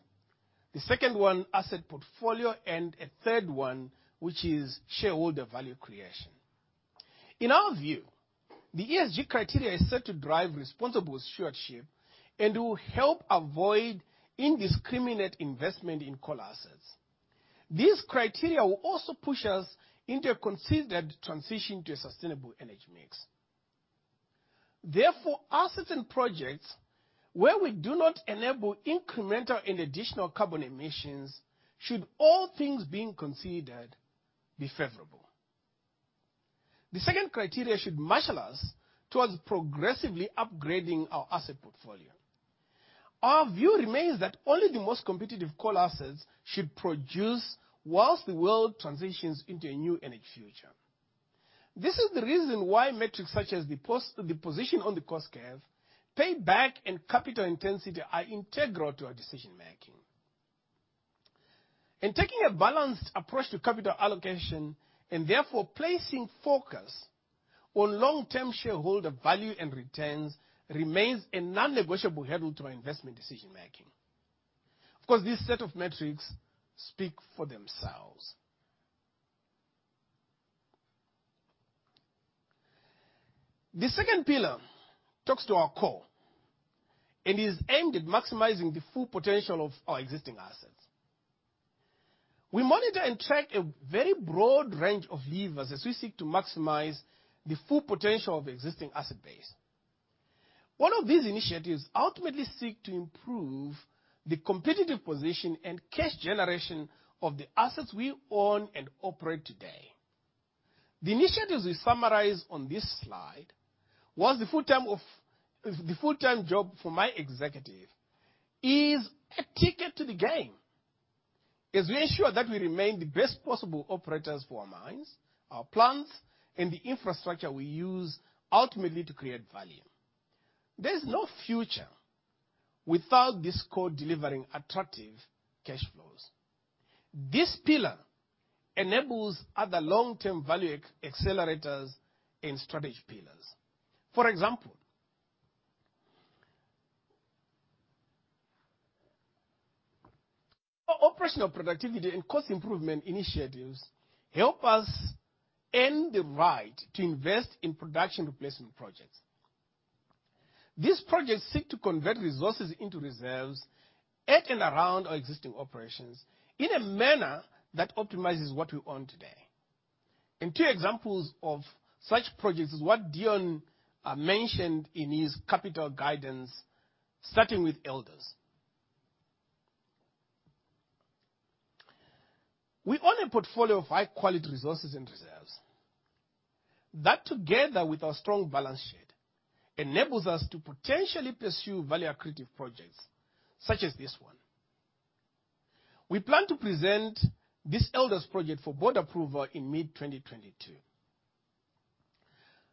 the second one asset portfolio, and a third one, which is shareholder value creation. In our view, the ESG criteria is set to drive responsible stewardship and will help avoid indiscriminate investment in coal assets. These criteria will also push us into a considered transition to a sustainable energy mix. Therefore, assets and projects where we do not enable incremental and additional carbon emissions should all things being considered be favorable. The second criteria should marshal us towards progressively upgrading our asset portfolio. Our view remains that only the most competitive coal assets should produce while the world transitions into a new energy future. This is the reason why metrics such as the position on the cost curve, payback and capital intensity are integral to our decision-making. Taking a balanced approach to capital allocation, and therefore placing focus on long-term shareholder value and returns, remains a non-negotiable hurdle to our investment decision-making. Of course, these set of metrics speak for themselves. The second pillar talks to our core and is aimed at maximizing the full potential of our existing assets. We monitor and track a very broad range of levers as we seek to maximize the full potential of the existing asset base. All of these initiatives ultimately seek to improve the competitive position and cash generation of the assets we own and operate today. The initiatives we summarize on this slide was the full-time job for my executive is a ticket to the game as we ensure that we remain the best possible operators for our mines, our plants, and the infrastructure we use ultimately to create value. There is no future without this core delivering attractive cash flows. This pillar enables other long-term value accelerators and strategy pillars. For example, operational productivity and cost improvement initiatives help us earn the right to invest in production replacement projects. These projects seek to convert resources into reserves at and around our existing operations in a manner that optimizes what we own today. Two examples of such projects is what Deon mentioned in his capital guidance, starting with Elders. We own a portfolio of high-quality resources and reserves that, together with our strong balance sheet, enables us to potentially pursue value-accretive projects, such as this one. We plan to present this Elders project for board approval in mid-2022.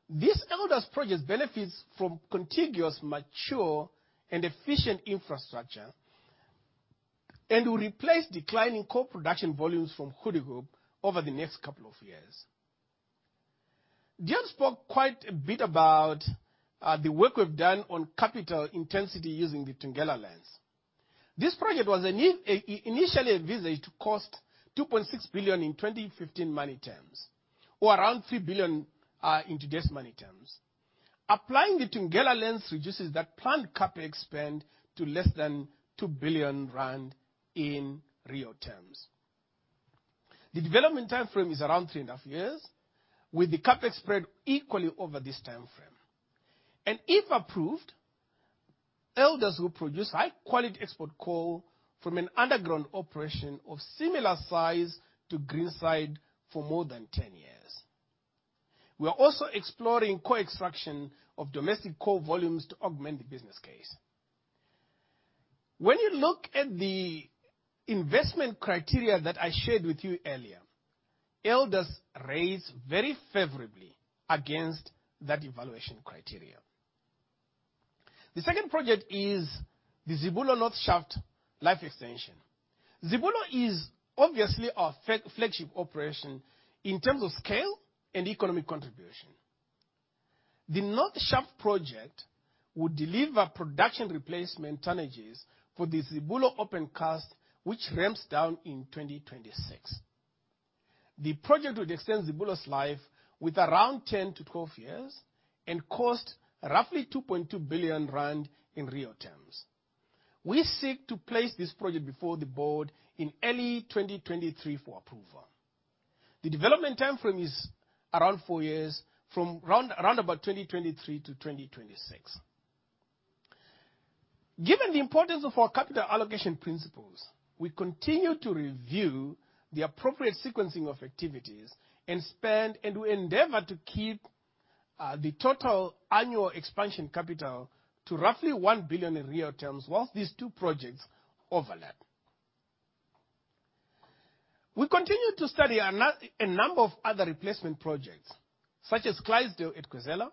This Elders project benefits from contiguous, mature and efficient infrastructure, and will replace declining coal production volumes from Goedehoop over the next couple of years. Deon spoke quite a bit about the work we've done on capital intensity using the Thungela Lens. This project was initially envisaged to cost 2.6 billion in 2015 money terms, or around 3 billion in today's money terms. Applying the Thungela Lens reduces that planned CapEx spend to less than 2 billion rand in real terms. The development timeframe is around three and a half years, with the CapEx spread equally over this timeframe. If approved, Elders will produce high-quality export coal from an underground operation of similar size to Greenside for more than 10 years. We are also exploring co-extraction of domestic coal volumes to augment the business case. When you look at the investment criteria that I shared with you earlier, Elders rates very favorably against that evaluation criteria. The second project is the Zibulo North Shaft life extension. Zibulo is obviously our flagship operation in terms of scale and economic contribution. The North Shaft project would deliver production replacement tonnages for the Zibulo open cast, which ramps down in 2026. The project would extend Zibulo's life with around 10-12 years and cost roughly 2.2 billion rand in real terms. We seek to place this project before the board in early 2023 for approval. The development timeframe is around four years, from around 2023 to 2026. Given the importance of our capital allocation principles, we continue to review the appropriate sequencing of activities and spend, and we endeavor to keep the total annual expansion capital to roughly 1 billion in real terms while these two projects overlap. We continue to study a number of other replacement projects, such as Clydesdale at Khwezela,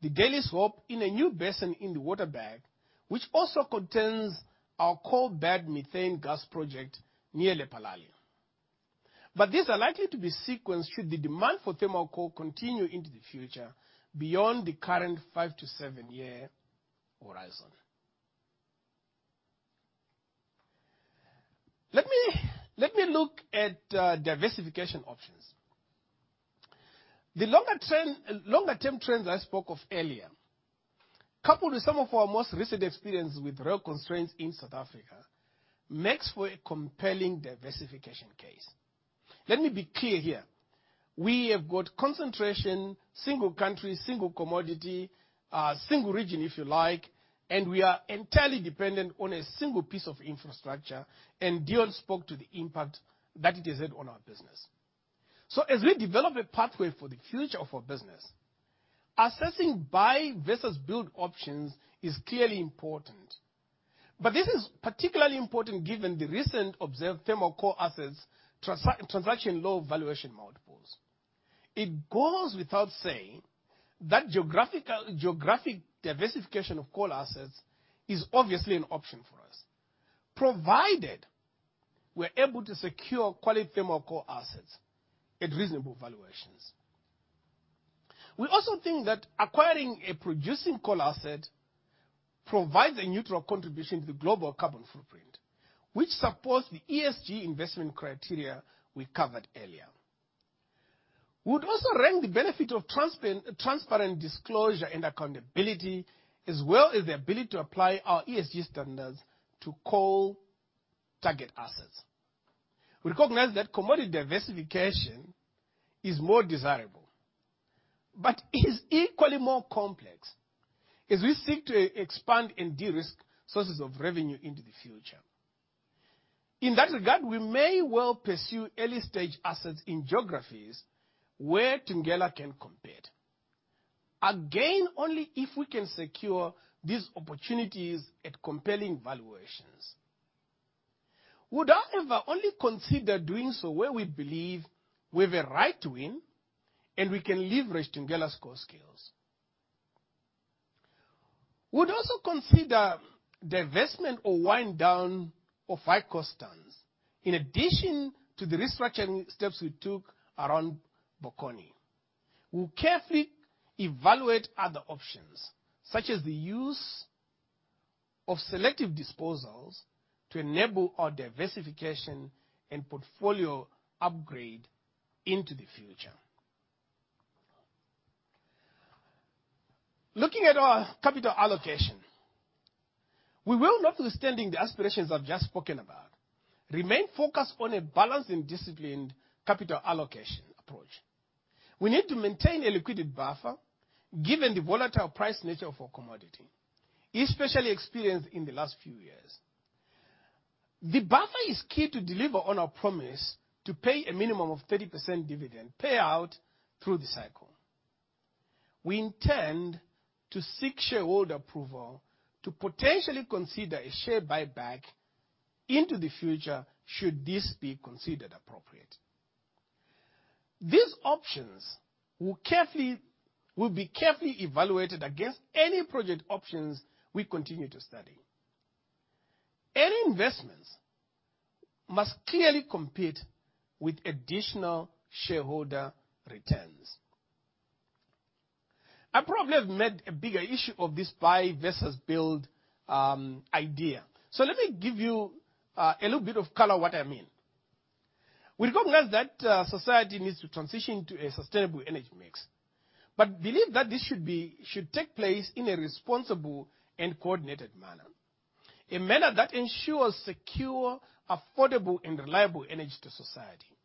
the Daily Swap in a new basin in the Waterberg, which also contains our coalbed methane gas project near Lephalale. These are likely to be sequenced should the demand for thermal coal continue into the future beyond the current 5-7-year horizon. Let me look at diversification options. The longer trend, longer-term trends I spoke of earlier, coupled with some of our most recent experiences with rail constraints in South Africa, makes for a compelling diversification case. Let me be clear here. We have got concentration, single country, single commodity, single region, if you like, and we are entirely dependent on a single piece of infrastructure, and Deon spoke to the impact that it has had on our business. As we develop a pathway for the future of our business, assessing buy versus build options is clearly important. This is particularly important given the recent observed thermal coal assets transaction low valuation multiples. It goes without saying that geographic diversification of coal assets is obviously an option for us, provided we're able to secure quality thermal coal assets at reasonable valuations. We also think that acquiring a producing coal asset provides a neutral contribution to the global carbon footprint, which supports the ESG investment criteria we covered earlier. We would also rank the benefit of transparent disclosure and accountability, as well as the ability to apply our ESG standards to coal target assets. We recognize that commodity diversification is more desirable, but it is equally more complex as we seek to expand and de-risk sources of revenue into the future. In that regard, we may well pursue early-stage assets in geographies where Thungela can compete. Again, only if we can secure these opportunities at compelling valuations. We'd, however, only consider doing so where we believe we have a right to win and we can leverage Thungela's core skills. We'd also consider the investment or wind down of high cost stands, in addition to the restructuring steps we took around Bokgoni. We'll carefully evaluate other options, such as the use of selective disposals to enable our diversification and portfolio upgrade into the future. Looking at our capital allocation, we will, notwithstanding the aspirations I've just spoken about, remain focused on a balanced and disciplined capital allocation approach. We need to maintain a liquidity buffer given the volatile price nature of our commodity, especially experienced in the last few years. The buffer is key to deliver on our promise to pay a minimum of 30% dividend payout through the cycle. We intend to seek shareholder approval to potentially consider a share buyback into the future, should this be considered appropriate. These options will be carefully evaluated against any project options we continue to study. Any investments must clearly compete with additional shareholder returns. I probably have made a bigger issue of this buy versus build, idea. Let me give you a little bit of color what I mean. We recognize that society needs to transition to a sustainable energy mix, but believe that this should take place in a responsible and coordinated manner, a manner that ensures secure, affordable and reliable energy to society.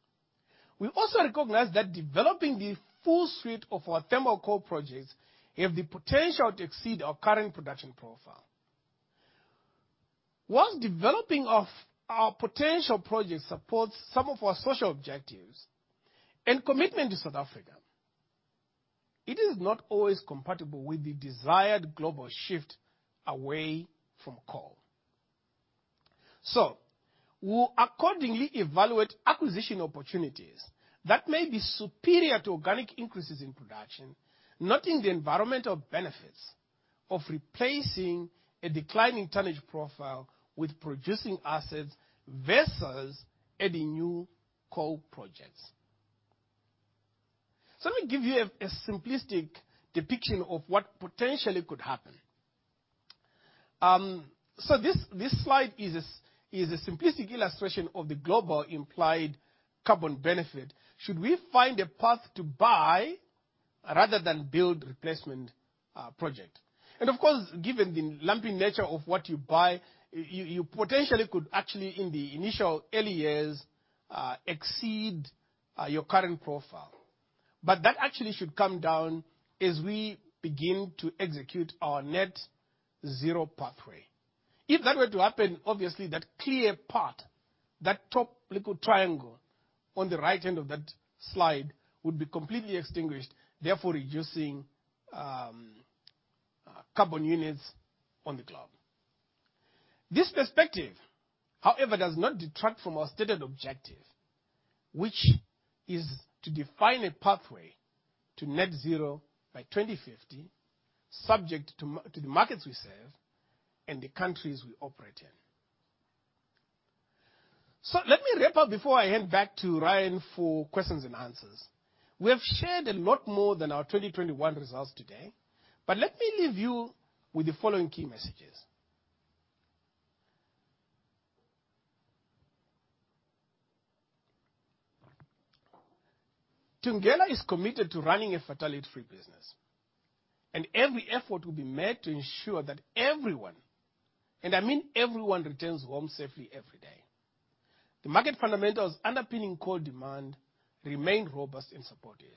We also recognize that developing the full suite of our thermal coal projects have the potential to exceed our current production profile. While development of our potential projects supports some of our social objectives and commitment to South Africa, it is not always compatible with the desired global shift away from coal. We'll accordingly evaluate acquisition opportunities that may be superior to organic increases in production, noting the environmental benefits of replacing a declining tonnage profile with producing assets versus adding new coal projects. Let me give you a simplistic depiction of what potentially could happen. This slide is a simplistic illustration of the global implied carbon benefit should we find a path to buy rather than build replacement project. Of course, given the lumpy nature of what you buy, you potentially could actually in the initial early years exceed your current profile. That actually should come down as we begin to execute our net zero pathway. If that were to happen, obviously that clear part, that top little triangle on the right end of that slide, would be completely extinguished, therefore reducing carbon units on the globe. This perspective, however, does not detract from our stated objective, which is to define a pathway to net zero by 2050, subject to the markets we serve and the countries we operate in. Let me wrap up before I hand back to Ryan for questions and answers. We have shared a lot more than our 2021 results today, but let me leave you with the following key messages. Thungela is committed to running a fatality-free business, and every effort will be made to ensure that everyone, and I mean everyone, returns home safely every day. The market fundamentals underpinning coal demand remain robust and supportive.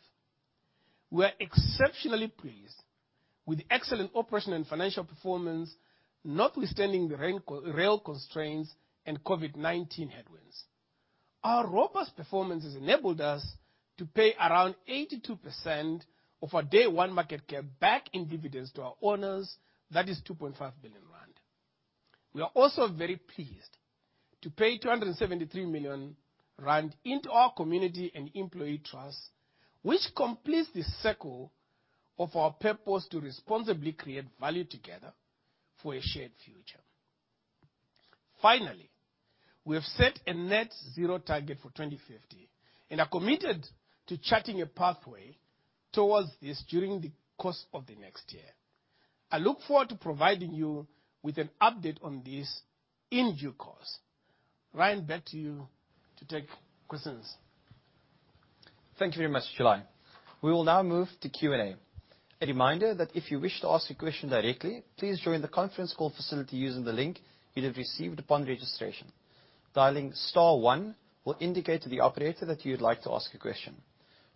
We are exceptionally pleased with the excellent operational and financial performance, notwithstanding the rain, rail constraints and COVID-19 headwinds. Our robust performance has enabled us to pay around 82% of our Day 1 market cap back in dividends to our owners, that is 2.5 billion rand. We are also very pleased to pay 273 million rand into our community and employee trust, which completes the circle of our purpose to responsibly create value together for a shared future. Finally, we have set a net zero target for 2050, and are committed to charting a pathway towards this during the course of the next year. I look forward to providing you with an update on this in due course. Ryan, back to you to take questions. Thank you very much, July. We will now move to Q&A. A reminder that if you wish to ask a question directly, please join the conference call facility using the link you'd have received upon registration. Dialing star 1 will indicate to the operator that you'd like to ask a question.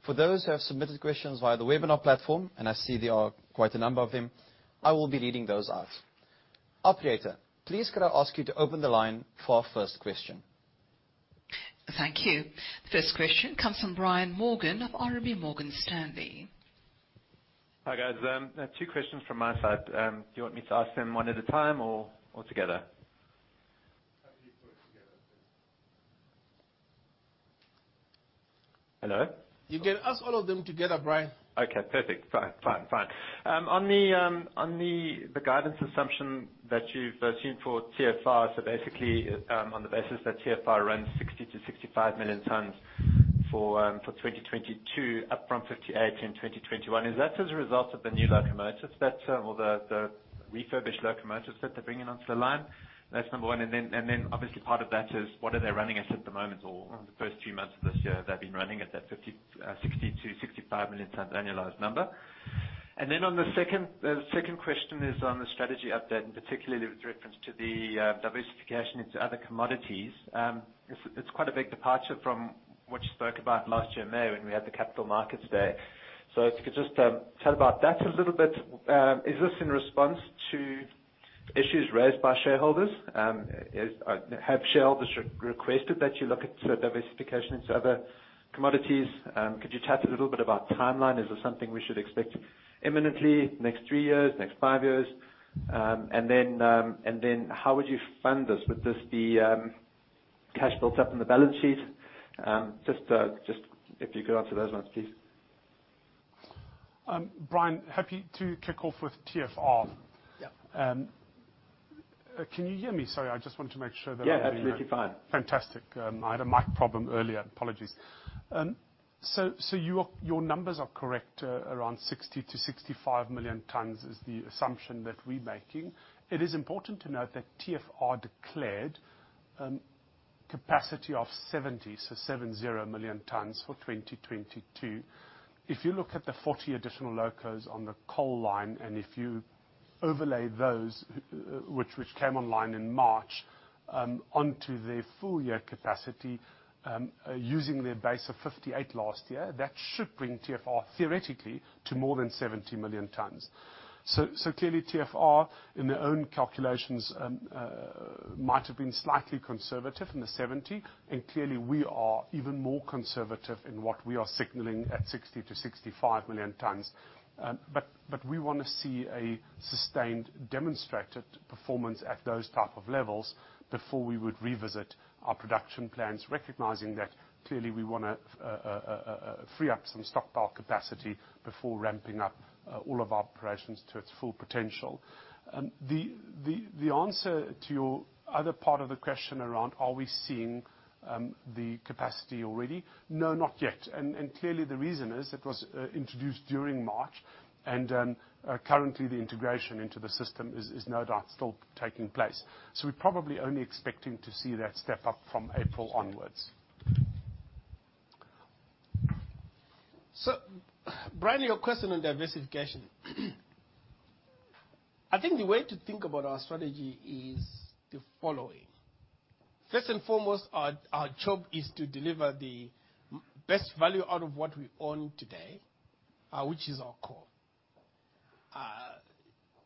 For those who have submitted questions via the webinar platform, and I see there are quite a number of them, I will be reading those out. Operator, please could I ask you to open the line for our first question. Thank you. First question comes from Brian Morgan of RMB Morgan Stanley. Hi, guys. I have two questions from my side. Do you want me to ask them one at a time or together? Happy to put together. Hello? You can ask all of them together, Brian. Okay, perfect. Fine. On the guidance assumption that you've assumed for TFR, so basically on the basis that TFR runs 60 million-65 million tons for 2022 up from 58 million in 2021, is that as a result of the new locomotives or the refurbished locomotives that they're bringing onto the line? That's number one. Then obviously part of that is what are they running as at the moment or the first few months of this year? Have they been running at that 60 million-65 million tons annualized number? Then the second question is on the strategy update, and particularly with reference to the diversification into other commodities. It's quite a big departure from what you spoke about last year, May, when we had the Capital Markets Day. If you could just tell about that a little bit. Is this in response to issues raised by shareholders? Have shareholders requested that you look into diversification into other commodities? Could you chat a little bit about timeline? Is this something we should expect imminently, next three years, next five years? And then how would you fund this? Would this be cash built up in the balance sheet? Just if you could answer those ones, please. Brian, happy to kick off with TFR. Yeah. Can you hear me? Sorry, I just wanted to make sure that I'm being- Yeah, absolutely fine. Fantastic. I had a mic problem earlier. Apologies. Your numbers are correct around 60 million-65 million tons is the assumption that we're making. It is important to note that TFR declared capacity of 70 million tons for 2022. If you look at the 40 million additional locos on the coal line, and if you overlay those, which came online in March, onto their full year capacity, using their base of 58 million last year, that should bring TFR theoretically to more than 70 million tons. Clearly, TFR in their own calculations might have been slightly conservative in the 70 million, and clearly we are even more conservative in what we are signaling at 60 million-65 million tons. We wanna see a sustained demonstrated performance at those type of levels before we would revisit our production plans. Recognizing that clearly we wanna free up some stockpile capacity before ramping up all of our operations to its full potential. The answer to your other part of the question around are we seeing the capacity already? No, not yet. Clearly the reason is it was introduced during March, and currently the integration into the system is no doubt still taking place. We're probably only expecting to see that step up from April onwards. Brian, your question on diversification. I think the way to think about our strategy is the following. First and foremost, our job is to deliver the best value out of what we own today, which is our core.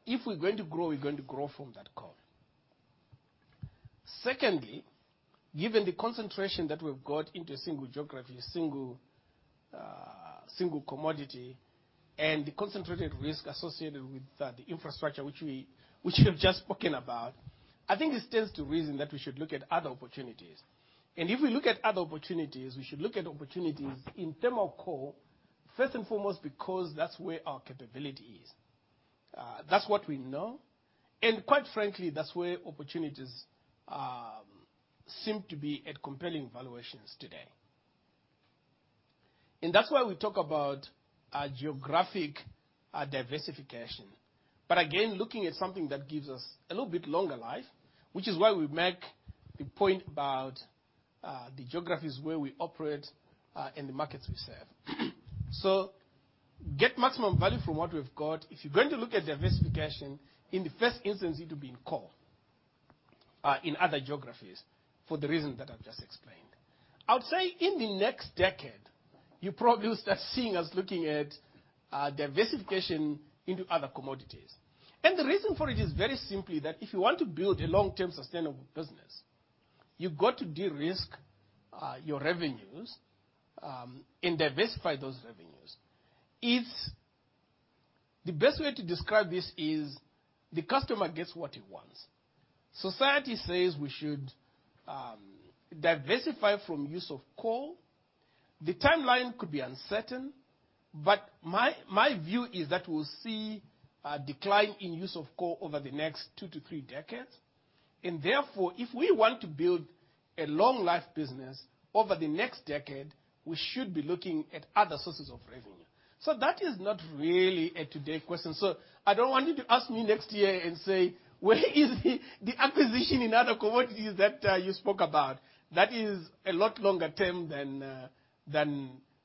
If we're going to grow, we're going to grow from that core. Secondly, given the concentration that we've got into a single geography, a single commodity, and the concentrated risk associated with the infrastructure which we have just spoken about, I think it stands to reason that we should look at other opportunities. If we look at other opportunities, we should look at opportunities in thermal coal, first and foremost, because that's where our capability is. That's what we know. Quite frankly, that's where opportunities seem to be at compelling valuations today. That's why we talk about a geographic diversification. Again, looking at something that gives us a little bit longer life, which is why we make the point about the geographies where we operate and the markets we serve. Get maximum value from what we've got. If you're going to look at diversification, in the first instance, it'll be in coal in other geographies for the reason that I've just explained. I would say in the next decade, you probably will start seeing us looking at diversification into other commodities. The reason for it is very simply that if you want to build a long-term sustainable business, you've got to de-risk your revenues and diversify those revenues. The best way to describe this is the customer gets what he wants. Society says we should diversify from use of coal. The timeline could be uncertain, but my view is that we'll see a decline in use of coal over the next 2-3 decades. Therefore, if we want to build a long life business over the next decade, we should be looking at other sources of revenue. That is not really a today question. I don't want you to ask me next year and say, "Where is the acquisition in other commodities that you spoke about?" That is a lot longer term than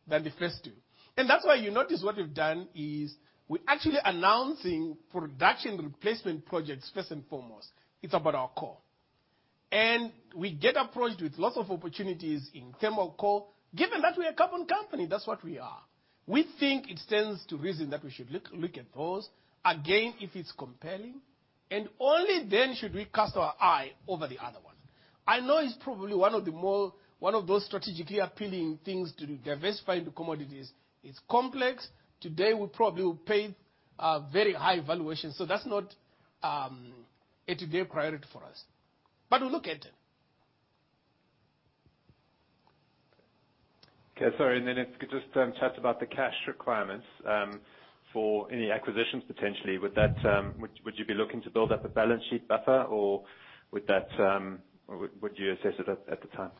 the first two. That's why you notice what we've done is we're actually announcing production replacement projects first and foremost. It's about our core. We get approached with lots of opportunities in thermal coal. Given that we're a carbon company, that's what we are, we think it stands to reason that we should look at those, again, if it's compelling, and only then should we cast our eye over the other one. I know it's probably one of those strategically appealing things to diversify into commodities. It's complex. Today we probably will pay a very high valuation, so that's not a today priority for us. We'll look at it. Okay. Sorry, if we could just chat about the cash requirements for any acquisitions potentially. Would you be looking to build up a balance sheet buffer, or would you assess it at the time?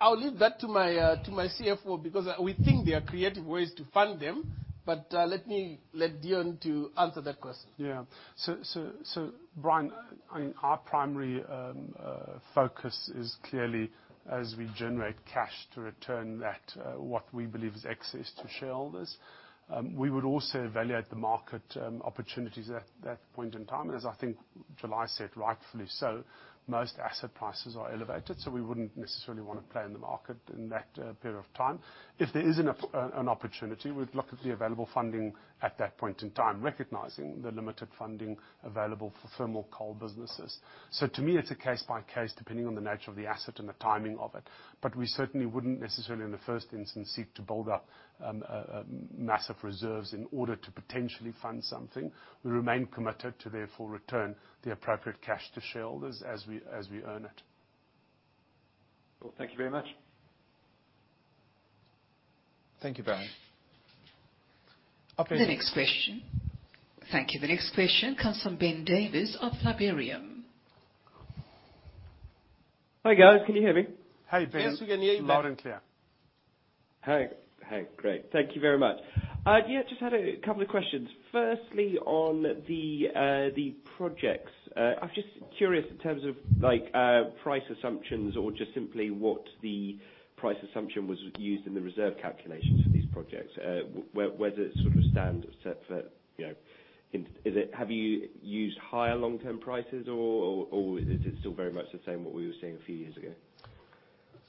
I'll leave that to my CFO because we think there are creative ways to fund them, but let Deon answer that question. Yeah. Brian, I mean, our primary focus is clearly, as we generate cash to return that, what we believe is excess to shareholders, we would also evaluate the market opportunities at that point in time. As I think July said, rightfully so, most asset prices are elevated, so we wouldn't necessarily wanna play in the market in that period of time. If there is an opportunity, we'd look at the available funding at that point in time, recognizing the limited funding available for thermal coal businesses. To me it's a case by case, depending on the nature of the asset and the timing of it. We certainly wouldn't necessarily in the first instance seek to build up massive reserves in order to potentially fund something. We remain committed, therefore, to return the appropriate cash to shareholders as we earn it. Cool. Thank you very much. Thank you, Brian. Operator? The next question. Thank you. The next question comes from Ben Davis of Liberum. Hi, guys. Can you hear me? Hey, Ben. Yes, we can hear you, Ben. Loud and clear. Hey, hey. Great. Thank you very much. Yeah, just had a couple of questions. Firstly, on the projects. I'm just curious in terms of like price assumptions or just simply what the price assumption was used in the reserve calculations for these projects. Whether it's sort of standard set for, you know. Have you used higher long-term prices or is it still very much the same, what we were seeing a few years ago?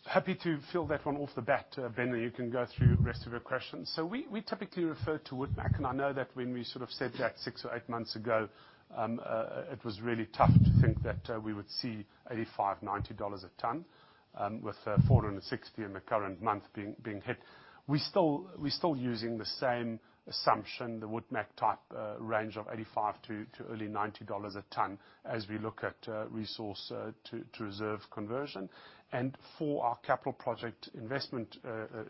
Happy to field that one off the bat, Ben, then you can go through the rest of your questions. We typically refer to WoodMac, and I know that when we sort of said that six or eight months ago, it was really tough to think that we would see $85, $90 a ton, with $460 in the current month being hit. We're still using the same assumption, the WoodMac-type range of $85 to early $90 a ton as we look at resource to reserve conversion. For our capital project investment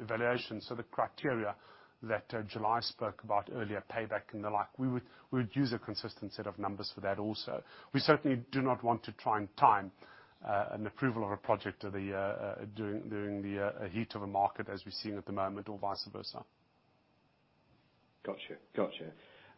evaluation, so the criteria that July spoke about earlier, payback and the like, we would use a consistent set of numbers for that also. We certainly do not want to try and time an approval of a project during the heat of a market as we're seeing at the moment or vice versa. Gotcha.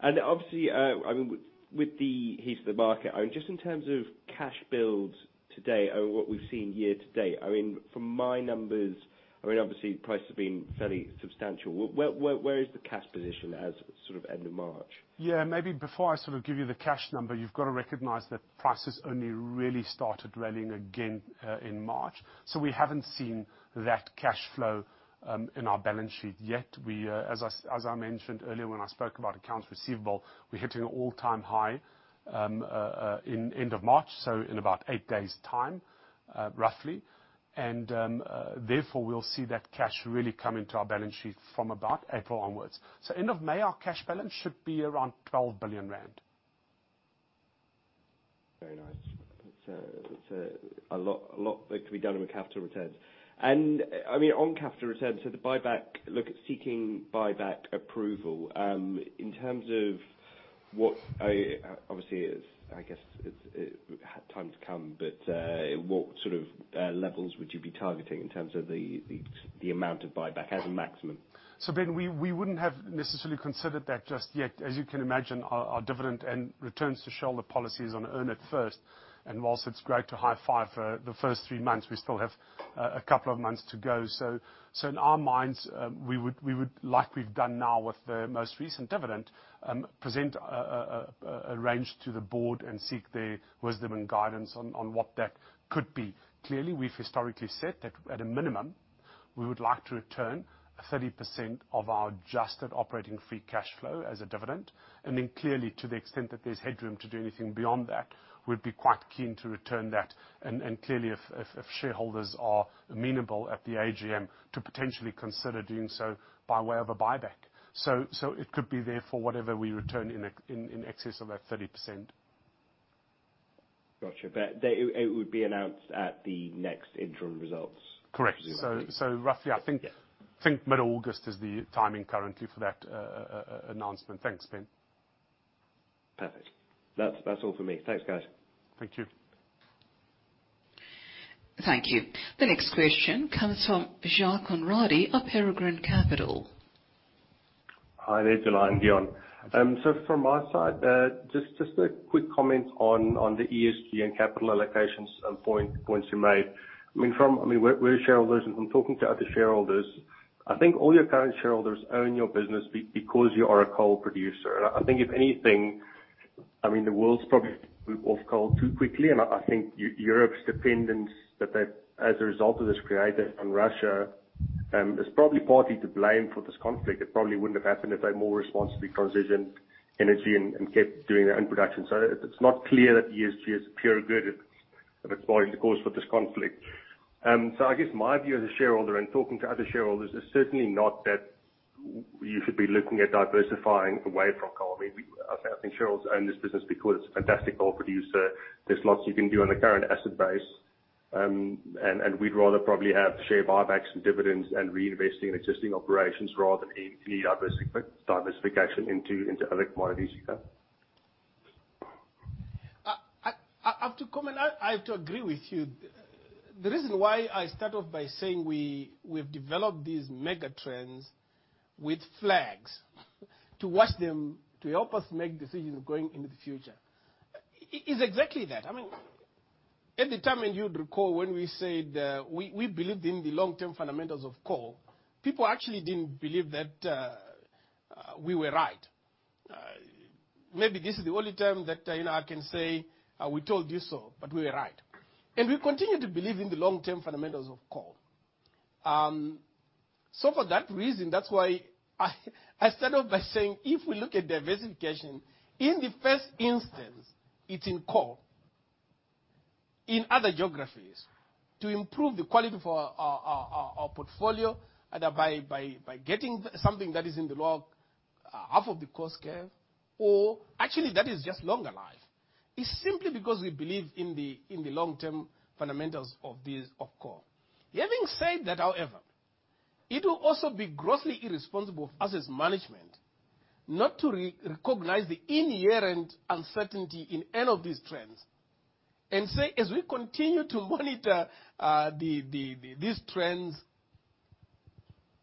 Obviously, I mean, with the heat of the market, I mean, just in terms of cash build today or what we've seen year to date, I mean, from my numbers, I mean, obviously price has been fairly substantial. Where is the cash position as sort of end of March? Yeah, maybe before I sort of give you the cash number, you've got to recognize that prices only really started rallying again in March, so we haven't seen that cash flow in our balance sheet yet. We, as I mentioned earlier, when I spoke about accounts receivable, we're hitting an all-time high at the end of March, so in about eight days' time, roughly. Therefore, we'll see that cash really come into our balance sheet from about April onwards. End of May, our cash balance should be around 12 billion rand. Very nice. That's a lot that can be done with capital returns. I mean, on capital returns, so the buyback, look at seeking buyback approval, in terms of what, obviously is, I guess, it's time to come, but, what sort of levels would you be targeting in terms of the amount of buyback as a maximum? Ben, we wouldn't have necessarily considered that just yet. As you can imagine, our dividend and returns to shareholder policy is on earn it first. While it's great to high five for the first three months, we still have a couple of months to go. In our minds, we would, like we've done now with the most recent dividend, present a range to the board and seek their wisdom and guidance on what that could be. Clearly, we've historically said that at a minimum, we would like to return 30% of our adjusted operating free cash flow as a dividend, and then clearly, to the extent that there's headroom to do anything beyond that, we'd be quite keen to return that. Clearly if shareholders are amenable at the AGM to potentially consider doing so by way of a buyback. It could be therefore whatever we return in excess of that 30%. Gotcha. It would be announced at the next interim results. Correct. Roughly, I think. Yeah. I think mid-August is the timing currently for that announcement. Thanks, Ben. Perfect. That's all for me. Thanks, guys. Thank you. Thank you. The next question comes from Jacques Conradie of Peregrine Capital. Hi there, July and Deon. So from my side, just a quick comment on the ESG and capital allocations, points you made. I mean, we're shareholders, and from talking to other shareholders, I think all your current shareholders own your business because you are a coal producer. I think if anything, I mean, the world's probably <audio distortion> <audio distortion> Not to under-recognize the inherent uncertainty in any of these trends and say, as we continue to monitor these trends,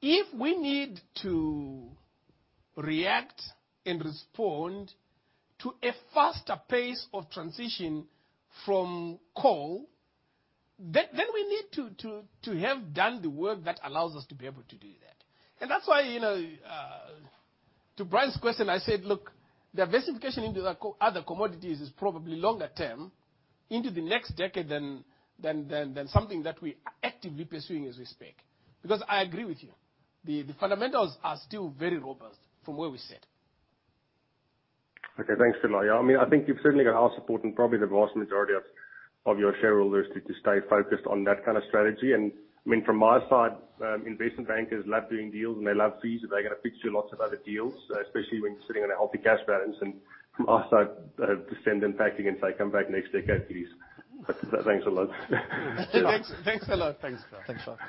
if we need to react and respond to a faster pace of transition from coal, then we need to have done the work that allows us to be able to do that. That's why, you know, to Brian's question, I said, look, diversification into the other commodities is probably longer term into the next decade than something that we are actively pursuing as we speak. Because I agree with you, the fundamentals are still very robust from where we sit. Okay, thanks a lot. Yeah, I mean, I think you've certainly got our support and probably the vast majority of your shareholders to stay focused on that kind of strategy. I mean, from my side, investment bankers love doing deals and they love fees, so they're gonna pitch you lots of other deals, especially when you're sitting on a healthy cash balance. From our side, to send them back again and say, "Come back next decade, please." Thanks a lot. Thanks. Thanks a lot. Thanks. Thanks a lot.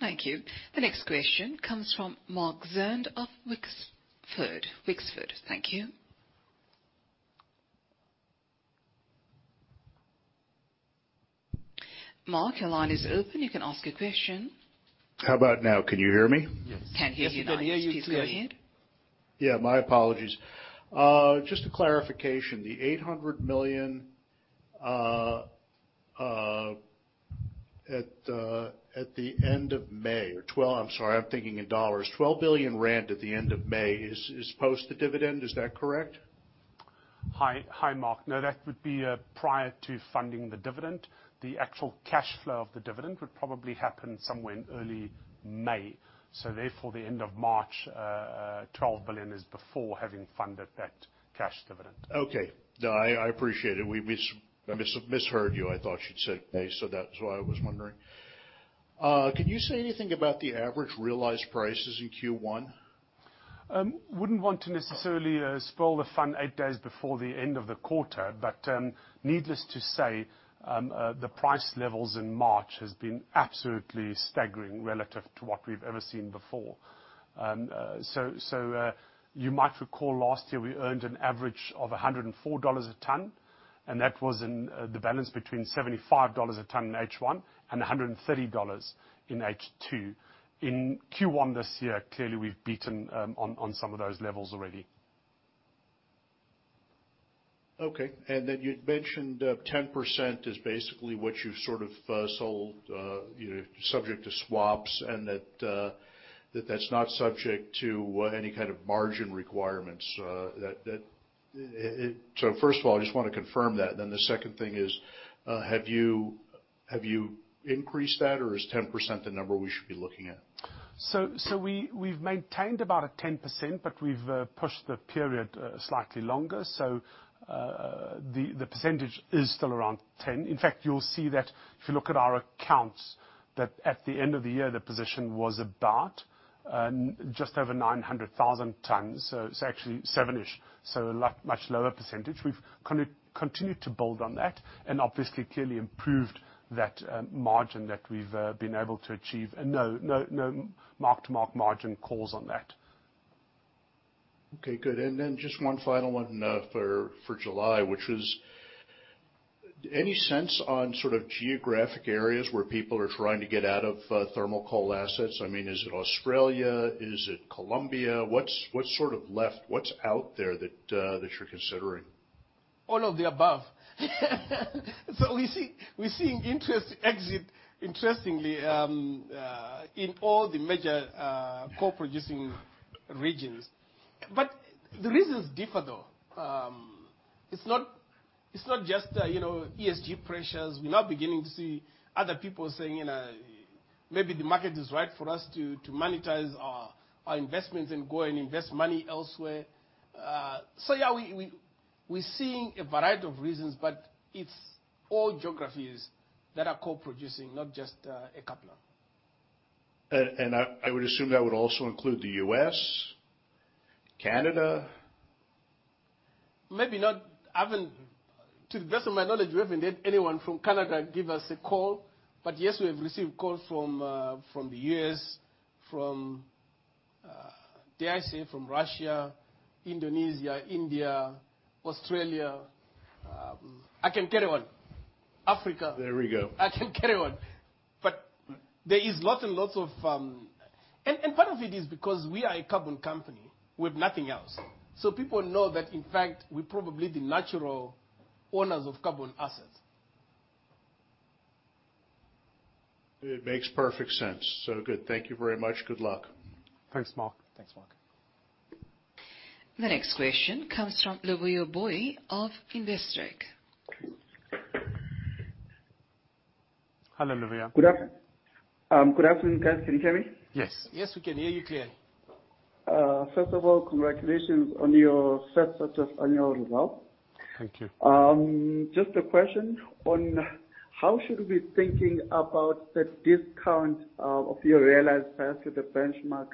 Thank you. The next question comes from Mark van der Spuy of Wexford. Thank you. Mark, your line is open. You can ask your question. How about now? Can you hear me? Yes. Can hear you now. <crosstalk> Yes, we can hear you clearly. Please go ahead. Yeah, my apologies. Just a clarification. I'm sorry, I'm thinking in dollars. 12 billion at the end of May is post the dividend, is that correct? Hi. Hi, Mark. No, that would be prior to funding the dividend. The actual cash flow of the dividend would probably happen somewhere in early May, so therefore the end of March, 12 billion is before having funded that cash dividend. Okay. No, I appreciate it. We misheard you. I thought you'd said May, so that's why I was wondering. Can you say anything about the average realized prices in Q1? Wouldn't want to necessarily spoil the fun eight days before the end of the quarter, but needless to say, the price levels in March has been absolutely staggering relative to what we've ever seen before. You might recall last year we earned an average of $104 a ton, and that was in the balance between $75 a ton in H1 and $130 in H2. In Q1 this year, clearly we've beaten on some of those levels already. Okay. You'd mentioned 10% is basically what you've sort of sold, you know, subject to swaps and that that's not subject to any kind of margin requirements. First of all, I just wanna confirm that. The second thing is, have you increased that or is 10% the number we should be looking at? We've maintained about a 10%, but we've pushed the period slightly longer. The percentage is still around 10%. In fact, you'll see that if you look at our accounts, that at the end of the year, the position was about just over 900,000 tons, so it's actually 7%-ish, so a lot much lower percentage. We've continued to build on that and obviously clearly improved that margin that we've been able to achieve and no mark-to-market margin calls on that. Okay, good. Just one final one for July, which was any sense on sort of geographic areas where people are trying to get out of thermal coal assets? I mean, is it Australia? Is it Colombia? What's sort of left? What's out there that you're considering? All of the above. We're seeing interest exit, interestingly, in all the major coal producing regions. The reasons differ, though. It's not just, you know, ESG pressures. We're now beginning to see other people saying, you know, maybe the market is right for us to monetize our investments and go and invest money elsewhere. Yeah, we're seeing a variety of reasons, but it's all geographies that are coal producing, not just a couple of them. I would assume that would also include the U.S., Canada. Maybe not. To the best of my knowledge, we haven't let anyone from Canada give us a call. Yes, we have received calls from the U.S., from, dare I say from Russia, Indonesia, India, Australia. I can carry on. Africa. There we go. I can carry on. Part of it is because we are a carbon company. We have nothing else. People know that in fact we're probably the natural owners of carbon assets. It makes perfect sense. So good. Thank you very much. Good luck. Thanks, Mark. Thanks, Mark. The next question comes from Luvuyo Mboyi of Investec. Hello, Luvuyo. Good afternoon, guys. Can you hear me? Yes. Yes, we can hear you clearly. First of all, congratulations on your strong results. Thank you. Just a question on how should we be thinking about the discount of your realized price with the benchmark,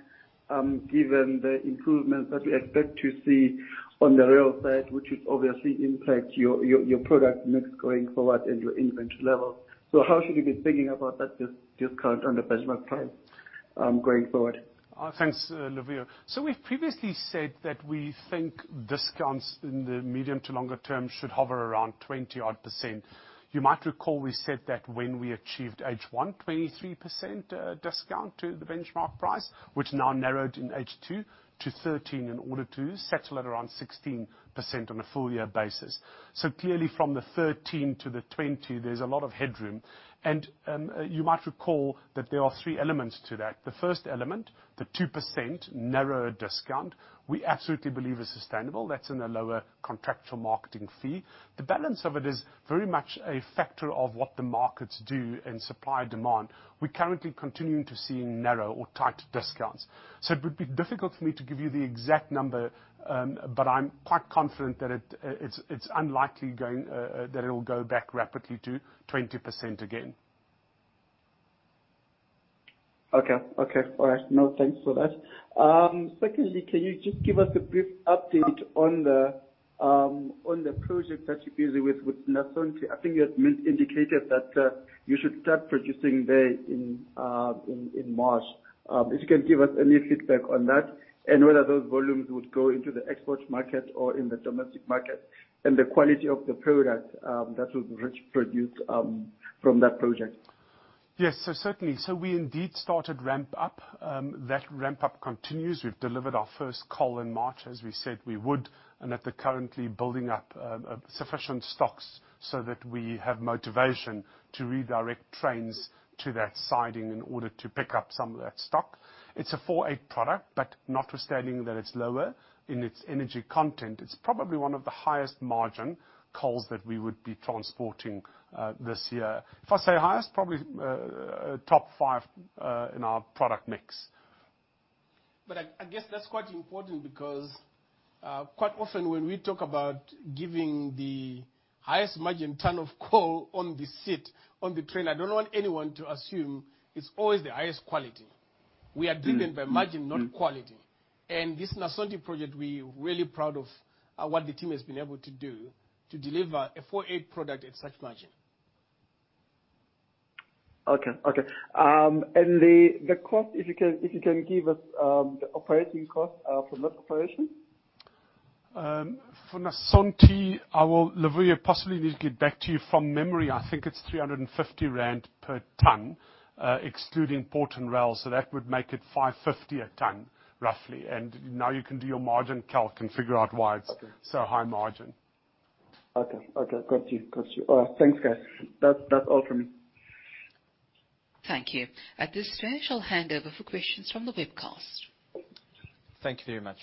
given the improvements that we expect to see on the rail side, which would obviously impact your product mix going forward and your inventory level. How should we be thinking about that discount on the benchmark price? Going forward. Thanks, Luvuyo. We've previously said that we think discounts in the medium to longer term should hover around 20-odd%. You might recall we said that when we achieved H1 23% discount to the benchmark price, which now narrowed in H2 to 13% in order to settle at around 16% on a full year basis. Clearly from the 13% to the 20%, there's a lot of headroom. You might recall that there are three elements to that. The first element, the 2% narrower discount, we absolutely believe is sustainable. That's in a lower contractual marketing fee. The balance of it is very much a factor of what the markets do and supply, demand. We're currently continuing to see narrow or tight discounts. It would be difficult for me to give you the exact number, but I'm quite confident that it's unlikely that it'll go back rapidly to 20% again. Thanks for that. Secondly, can you just give us a brief update on the project that you're busy with Nasonti? I think you had mentioned or indicated that you should start producing there in March. If you can give us any feedback on that, and whether those volumes would go into the export market or in the domestic market, and the quality of the product that would be produced from that project. Yes. Certainly. We indeed started ramp up. That ramp up continues. We've delivered our first coal in March, as we said we would. They're currently building up sufficient stocks so that we have motivation to redirect trains to that siding in order to pick up some of that stock. It's a 4-8 product, but notwithstanding that it's lower in its energy content, it's probably one of the highest margin coals that we would be transporting this year. If I say highest, probably top five in our product mix. I guess that's quite important because, quite often when we talk about giving the highest margin ton of coal on the train, I don't want anyone to assume it's always the highest quality. Mm-hmm. We are driven by margin, not quality. This Nasonti project, we're really proud of what the team has been able to do to deliver a 4-8 product at such margin. Okay. The cost, if you can give us the operating cost from that operation. For Nasonti, Luvuyo, I possibly need to get back to you. From memory, I think it's 350 rand per ton, excluding port and rail, so that would make it 550 per ton, roughly. Now you can do your margin calc and figure out why it's Okay. High margin. Okay. Got you. Thanks, guys. That's all from me. Thank you. At this stage, I'll hand over for questions from the webcast. Thank you very much.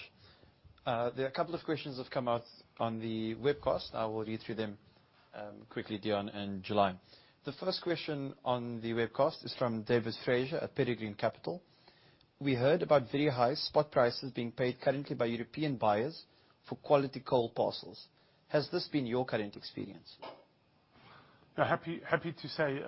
There are a couple of questions that have come out on the webcast. I will read through them, quickly, Deon and July. The first question on the webcast is from David Fraser at Peregrine Capital. We heard about very high spot prices being paid currently by European buyers for quality coal parcels. Has this been your current experience? Happy to say,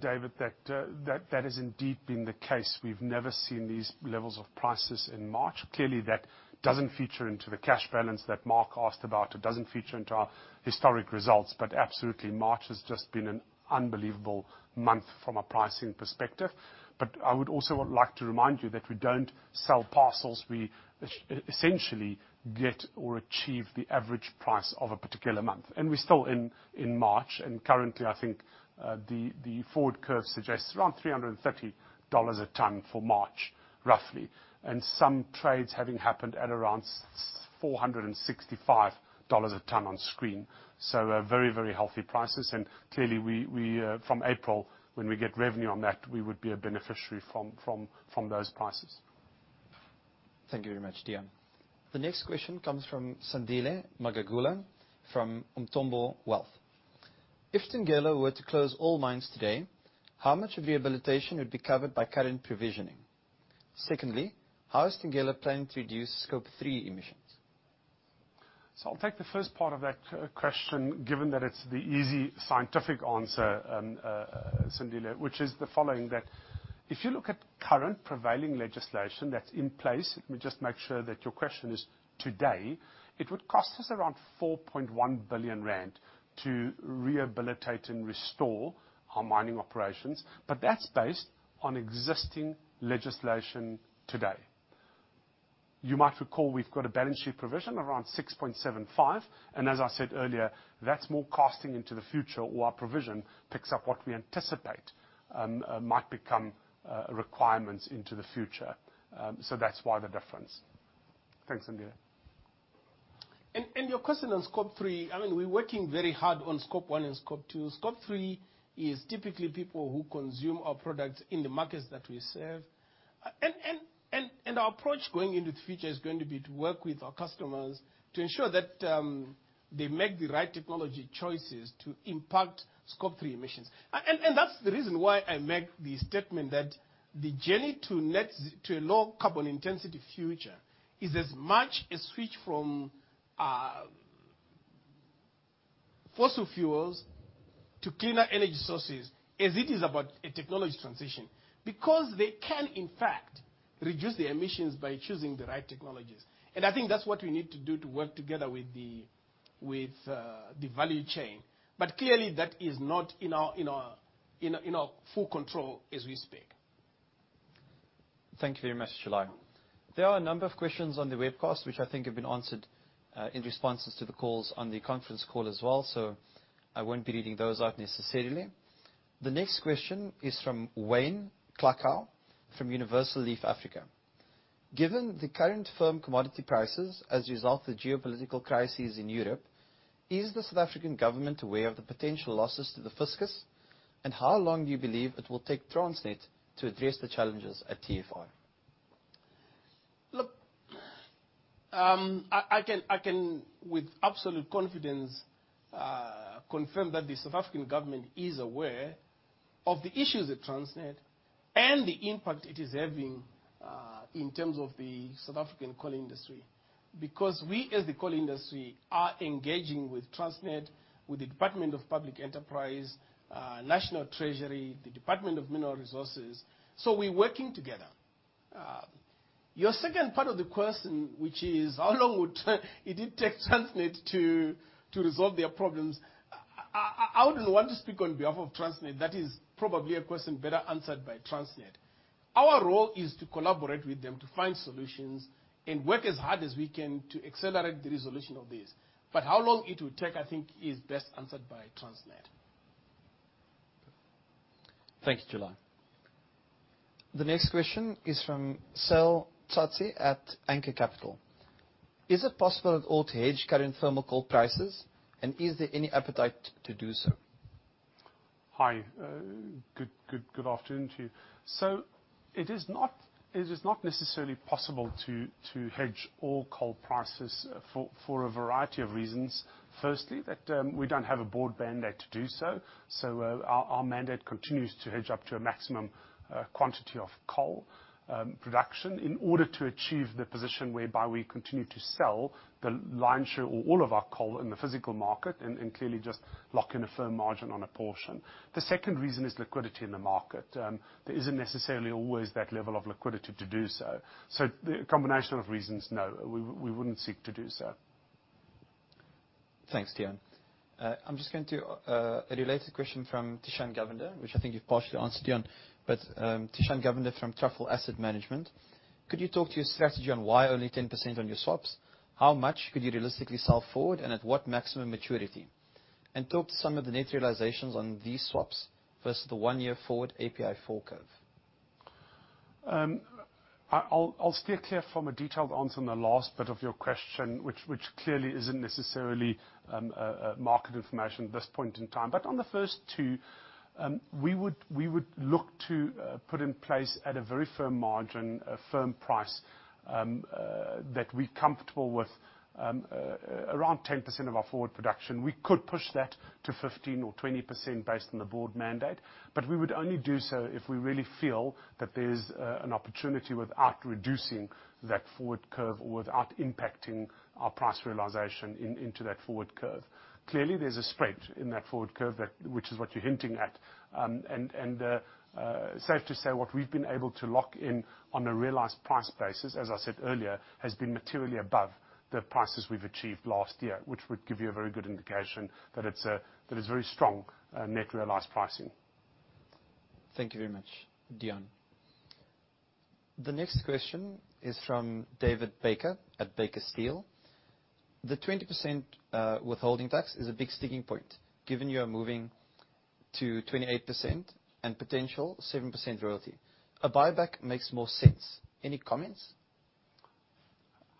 David, that has indeed been the case. We've never seen these levels of prices in March. Clearly, that doesn't feature into the cash balance that Mark asked about. It doesn't feature into our historic results, but absolutely, March has just been an unbelievable month from a pricing perspective. I would also like to remind you that we don't sell parcels. We essentially get or achieve the average price of a particular month. We're still in March. Currently, I think the forward curve suggests around $330 a ton for March, roughly. Some trades having happened at around $465 a ton on screen. Very healthy prices. Clearly, we from April, when we get revenue on that, we would be a beneficiary from those prices. Thank you very much, Deon. The next question comes from Sandile Magagula from Umthombo Wealth. If Thungela were to close all mines today, how much of the rehabilitation would be covered by current provisioning? Secondly, how is Thungela planning to reduce Scope 3 emissions? I'll take the first part of that question, given that it's the easy scientific answer, Sandile, which is the following, that if you look at current prevailing legislation that's in place, let me just make sure that your question is today, it would cost us around 4.1 billion rand to rehabilitate and restore our mining operations, but that's based on existing legislation today. You might recall we've got a balance sheet provision around 6.75 billion, and as I said earlier, that's more costing into the future, or our provision picks up what we anticipate might become requirements into the future. That's why the difference. Thanks, Sandile. Your question on Scope 3, I mean, we're working very hard on Scope 1 and Scope 2. Scope 3 is typically people who consume our products in the markets that we serve. Our approach going into the future is going to be to work with our customers to ensure that they make the right technology choices to impact Scope 3 emissions. That's the reason why I make the statement that the journey to a low carbon intensity future is as much a switch from fossil fuels to cleaner energy sources, as it is about a technology transition. Because they can, in fact, reduce the emissions by choosing the right technologies. I think that's what we need to do to work together with the value chain. Clearly that is not in our full control as we speak. Thank you very much, July. There are a number of questions on the webcast which I think have been answered in responses to the calls on the conference call as well, so I won't be reading those out necessarily. The next question is from Wayne Kluckow from Universal Leaf Africa. Given the current firm commodity prices as a result of the geopolitical crises in Europe, is the South African government aware of the potential losses to the fiscus? And how long do you believe it will take Transnet to address the challenges at TFR? Look, I can, with absolute confidence, confirm that the South African government is aware of the issues at Transnet and the impact it is having, in terms of the South African coal industry. Because we as the coal industry are engaging with Transnet, with the Department of Public Enterprises, National Treasury, the Department of Mineral Resources and Energy, so we're working together. Your second part of the question, which is how long would it take Transnet to resolve their problems, I wouldn't want to speak on behalf of Transnet. That is probably a question better answered by Transnet. Our role is to collaborate with them to find solutions and work as hard as we can to accelerate the resolution of this. How long it will take, I think is best answered by Transnet. Thank you, July. The next question is from Seleho Tsatsi at Anchor Capital. Is it possible at all to hedge current thermal coal prices, and is there any appetite to do so? Hi. Good afternoon to you. It is not necessarily possible to hedge all coal prices for a variety of reasons. Firstly, we don't have a board mandate to do so. Our mandate continues to hedge up to a maximum quantity of coal production in order to achieve the position whereby we continue to sell the lion's share or all of our coal in the physical market and clearly just lock in a firm margin on a portion. The second reason is liquidity in the market. There isn't necessarily always that level of liquidity to do so. The combination of reasons, no, we wouldn't seek to do so. Thanks, Deon. I'm just going to a related question from Thishan Govender, which I think you've partially answered, Deon. Thishan Govender from Truffle Asset Management, could you talk to your strategy on why only 10% on your swaps? How much could you realistically sell forward, and at what maximum maturity? And talk to some of the net realizations on these swaps versus the one-year forward API forecast. I'll steer clear from a detailed answer on the last bit of your question, which clearly isn't necessarily a market information at this point in time. On the first two, we would look to put in place at a very firm margin a firm price that we're comfortable with around 10% of our forward production. We could push that to 15% or 20% based on the board mandate, but we would only do so if we really feel that there's an opportunity without reducing that forward curve or without impacting our price realization into that forward curve. Clearly, there's a spread in that forward curve, which is what you're hinting at. Safe to say what we've been able to lock in on a realized price basis, as I said earlier, has been materially above the prices we've achieved last year, which would give you a very good indication that it's very strong net realized pricing. Thank you very much, Deon. The next question is from David Baker at Baker Steel. The 20%, withholding tax is a big sticking point given you are moving to 28% and potential 7% royalty. A buyback makes more sense. Any comments?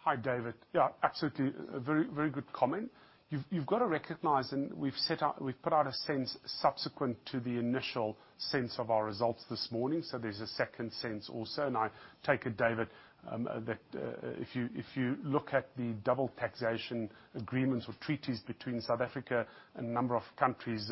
Hi, David. Yeah, absolutely. A very, very good comment. You've got to recognize, we've put out a sense subsequent to the initial sense of our results this morning, so there's a second sense also. I take it, David, that if you look at the double taxation agreements or treaties between South Africa and a number of countries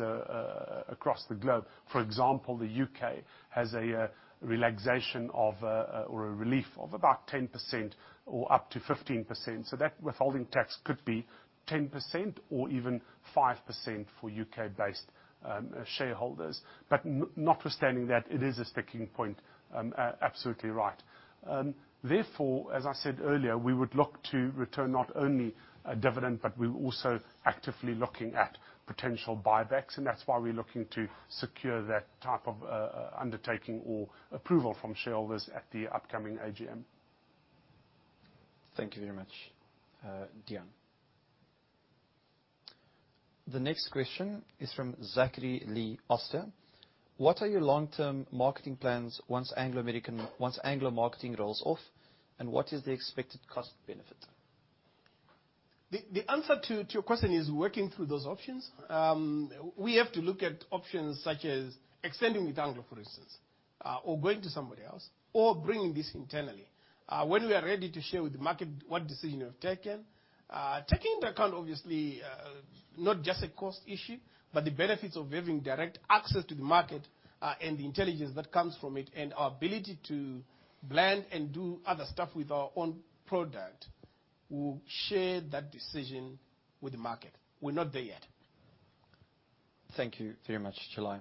across the globe, for example, the U.K. has a relaxation of a or a relief of about 10% or up to 15%, so that withholding tax could be 10% or even 5% for U.K.-based shareholders. Notwithstanding that, it is a sticking point, absolutely right. Therefore, as I said earlier, we would look to return not only a dividend, but we're also actively looking at potential buybacks, and that's why we're looking to secure that type of, undertaking or approval from shareholders at the upcoming AGM. Thank you very much, Deon. The next question is from. <inaudible> What are your long-term marketing plans once Anglo American, once Anglo Marketing rolls off, and what is the expected cost benefit? The answer to your question is working through those options. We have to look at options such as extending with Anglo, for instance, or going to somebody else, or bringing this internally. When we are ready to share with the market what decision we have taken, taking into account obviously, not just a cost issue, but the benefits of having direct access to the market, and the intelligence that comes from it and our ability to blend and do other stuff with our own product, we'll share that decision with the market. We're not there yet. Thank you very much, July.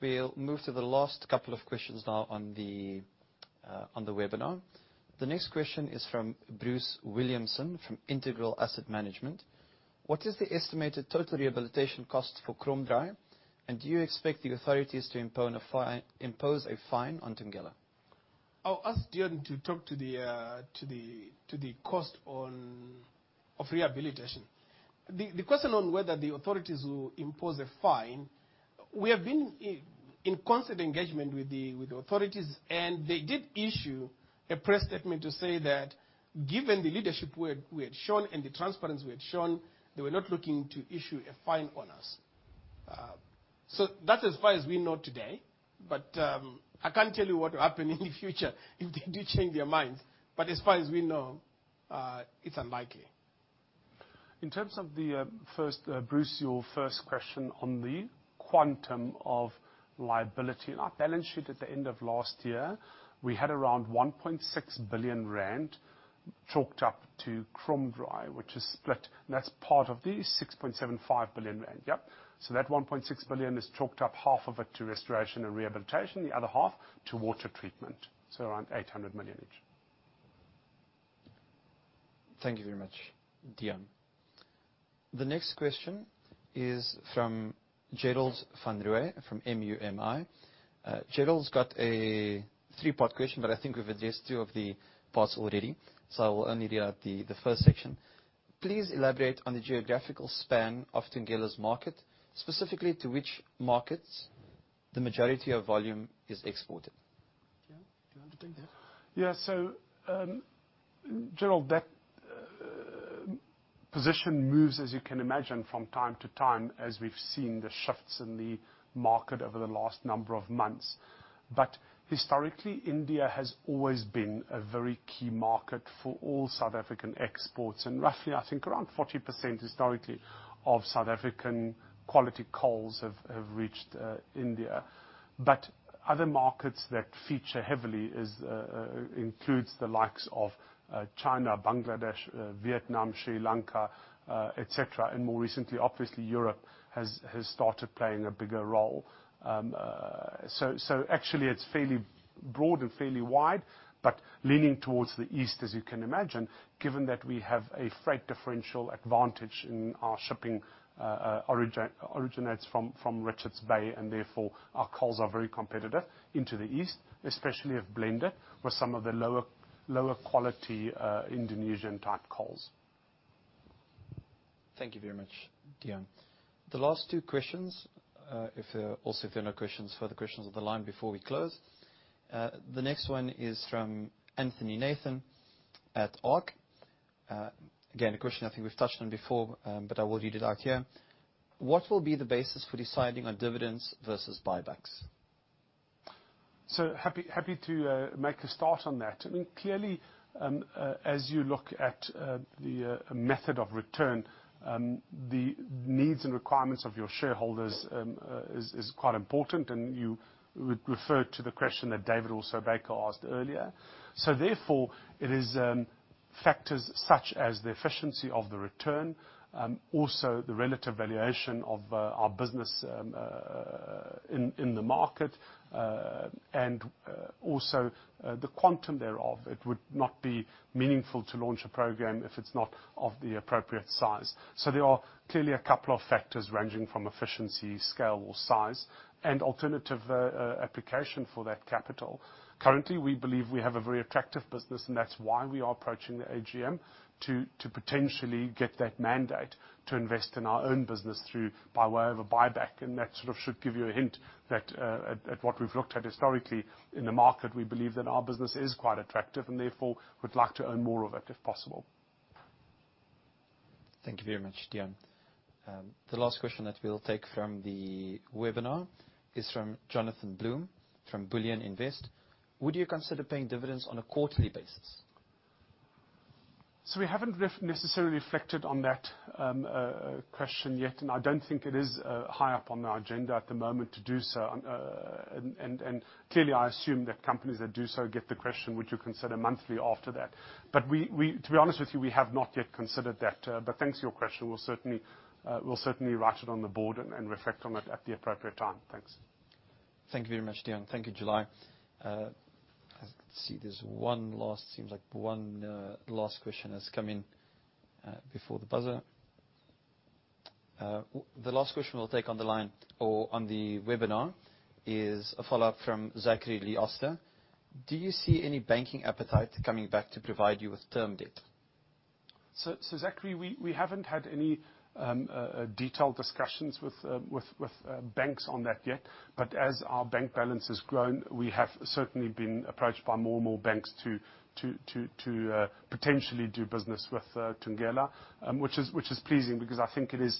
We'll move to the last couple of questions now on the webinar. The next question is from Bruce Williamson from Integral Asset Management. What is the estimated total rehabilitation cost for Kromdraai? Do you expect the authorities to impose a fine on Thungela? I'll ask Deon to talk to the cost of rehabilitation. The question on whether the authorities will impose a fine, we have been in constant engagement with the authorities, and they did issue a press statement to say that given the leadership we had shown and the transparency we had shown, they were not looking to issue a fine on us. That's as far as we know today, but I can't tell you what will happen in the future if they do change their mind. As far as we know, it's unlikely. In terms of the first, Bruce, your first question on the quantum of liability. In our balance sheet at the end of last year, we had around 1.6 billion rand chalked up to Kromdraai, which is split. That's part of the 6.75 billion rand. Yep. That 1.6 billion is chalked up, half of it to restoration and rehabilitation, the other half to water treatment, so around 800 million each. Thank you very much, Deon. The next question is from Gerard van Rooyen from M&G Investments. Gerard's got a three-part question, but I think we've addressed two of the parts already, so I will only read out the first section. Please elaborate on the geographical span of Thungela's market, specifically to which markets the majority of volume is exported. Deon, do you want to take that? Yeah. Gerard, that position moves, as you can imagine, from time to time, as we've seen the shifts in the market over the last number of months. Historically, India has always been a very key market for all South African exports. Roughly, I think around 40% historically of South African quality coals have reached India. Other markets that feature heavily includes the likes of China, Bangladesh, Vietnam, Sri Lanka, et cetera. More recently, obviously Europe has started playing a bigger role. Actually it's fairly broad and fairly wide, but leaning towards the east, as you can imagine, given that we have a freight differential advantage and our shipping originates from Richards Bay, and therefore, our coals are very competitive into the East, especially as a blender with some of the lower quality Indonesian-type coals. Thank you very much, Deon. The last two questions, if there are. Also, if there are no further questions on the line before we close. The next one is from Anthony Nathan at ARC. Again, a question I think we've touched on before, but I will read it out here. What will be the basis for deciding on dividends versus buybacks? Happy to make a start on that. I mean, clearly, as you look at the method of return, the needs and requirements of your shareholders is quite important, and you would refer to the question that David Baker asked earlier. Therefore, it is factors such as the efficiency of the return, also the relative valuation of our business in the market, and also the quantum thereof. It would not be meaningful to launch a program if it's not of the appropriate size. There are clearly a couple of factors ranging from efficiency, scale or size and alternative application for that capital. Currently, we believe we have a very attractive business, and that's why we are approaching the AGM to potentially get that mandate to invest in our own business through by way of a buyback. That sort of should give you a hint that, at what we've looked at historically in the market, we believe that our business is quite attractive and therefore would like to own more of it if possible. Thank you very much, Deon. The last question that we'll take from the webinar is from Jonathan Bloom, from Bullion Invest. Would you consider paying dividends on a quarterly basis? We haven't necessarily reflected on that question yet, and I don't think it is high up on the agenda at the moment to do so. Clearly, I assume that companies that do so get the question, would you consider monthly after that? We, to be honest with you, have not yet considered that. Thanks for your question. We'll certainly write it on the board and reflect on it at the appropriate time. Thanks. Thank you very much, Deon. Thank you, July. I see there's one last question has come in before the buzzer. The last question we'll take on the line or on the webinar is a follow-up from Zachary. <inaudible> Do you see any banking appetite coming back to provide you with term debt? Zachary, we haven't had any detailed discussions with banks on that yet. As our bank balance has grown, we have certainly been approached by more and more banks to potentially do business with Thungela. Which is pleasing because I think it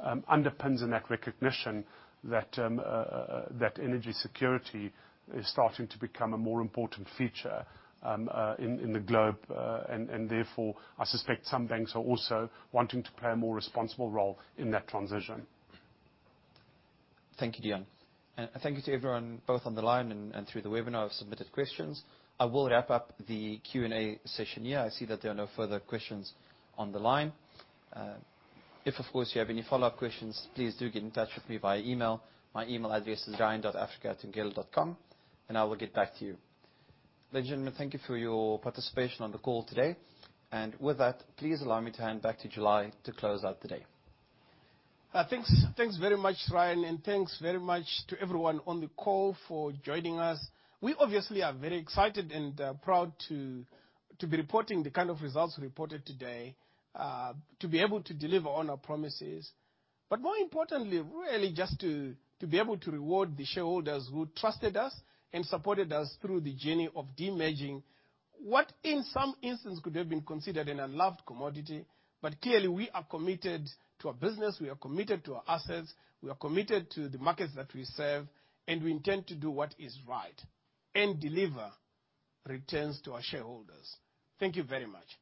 underpins that recognition that energy security is starting to become a more important feature in the globe, and therefore, I suspect some banks are also wanting to play a more responsible role in that transition. Thank you, Deon. Thank you to everyone, both on the line and through the webinar who've submitted questions. I will wrap up the Q&A session here. I see that there are no further questions on the line. If, of course, you have any follow-up questions, please do get in touch with me via email. My email address is ryan.africa@thungela.com, and I will get back to you. Ladies and gentlemen, thank you for your participation on the call today. With that, please allow me to hand back to July to close out the day. Thanks very much, Ryan, and thanks very much to everyone on the call for joining us. We obviously are very excited and proud to be reporting the kind of results we reported today, to be able to deliver on our promises, but more importantly, really just to be able to reward the shareholders who trusted us and supported us through the journey of demerging what in some instances could have been considered an unloved commodity. Clearly, we are committed to our business, we are committed to our assets, we are committed to the markets that we serve, and we intend to do what is right and deliver returns to our shareholders. Thank you very much.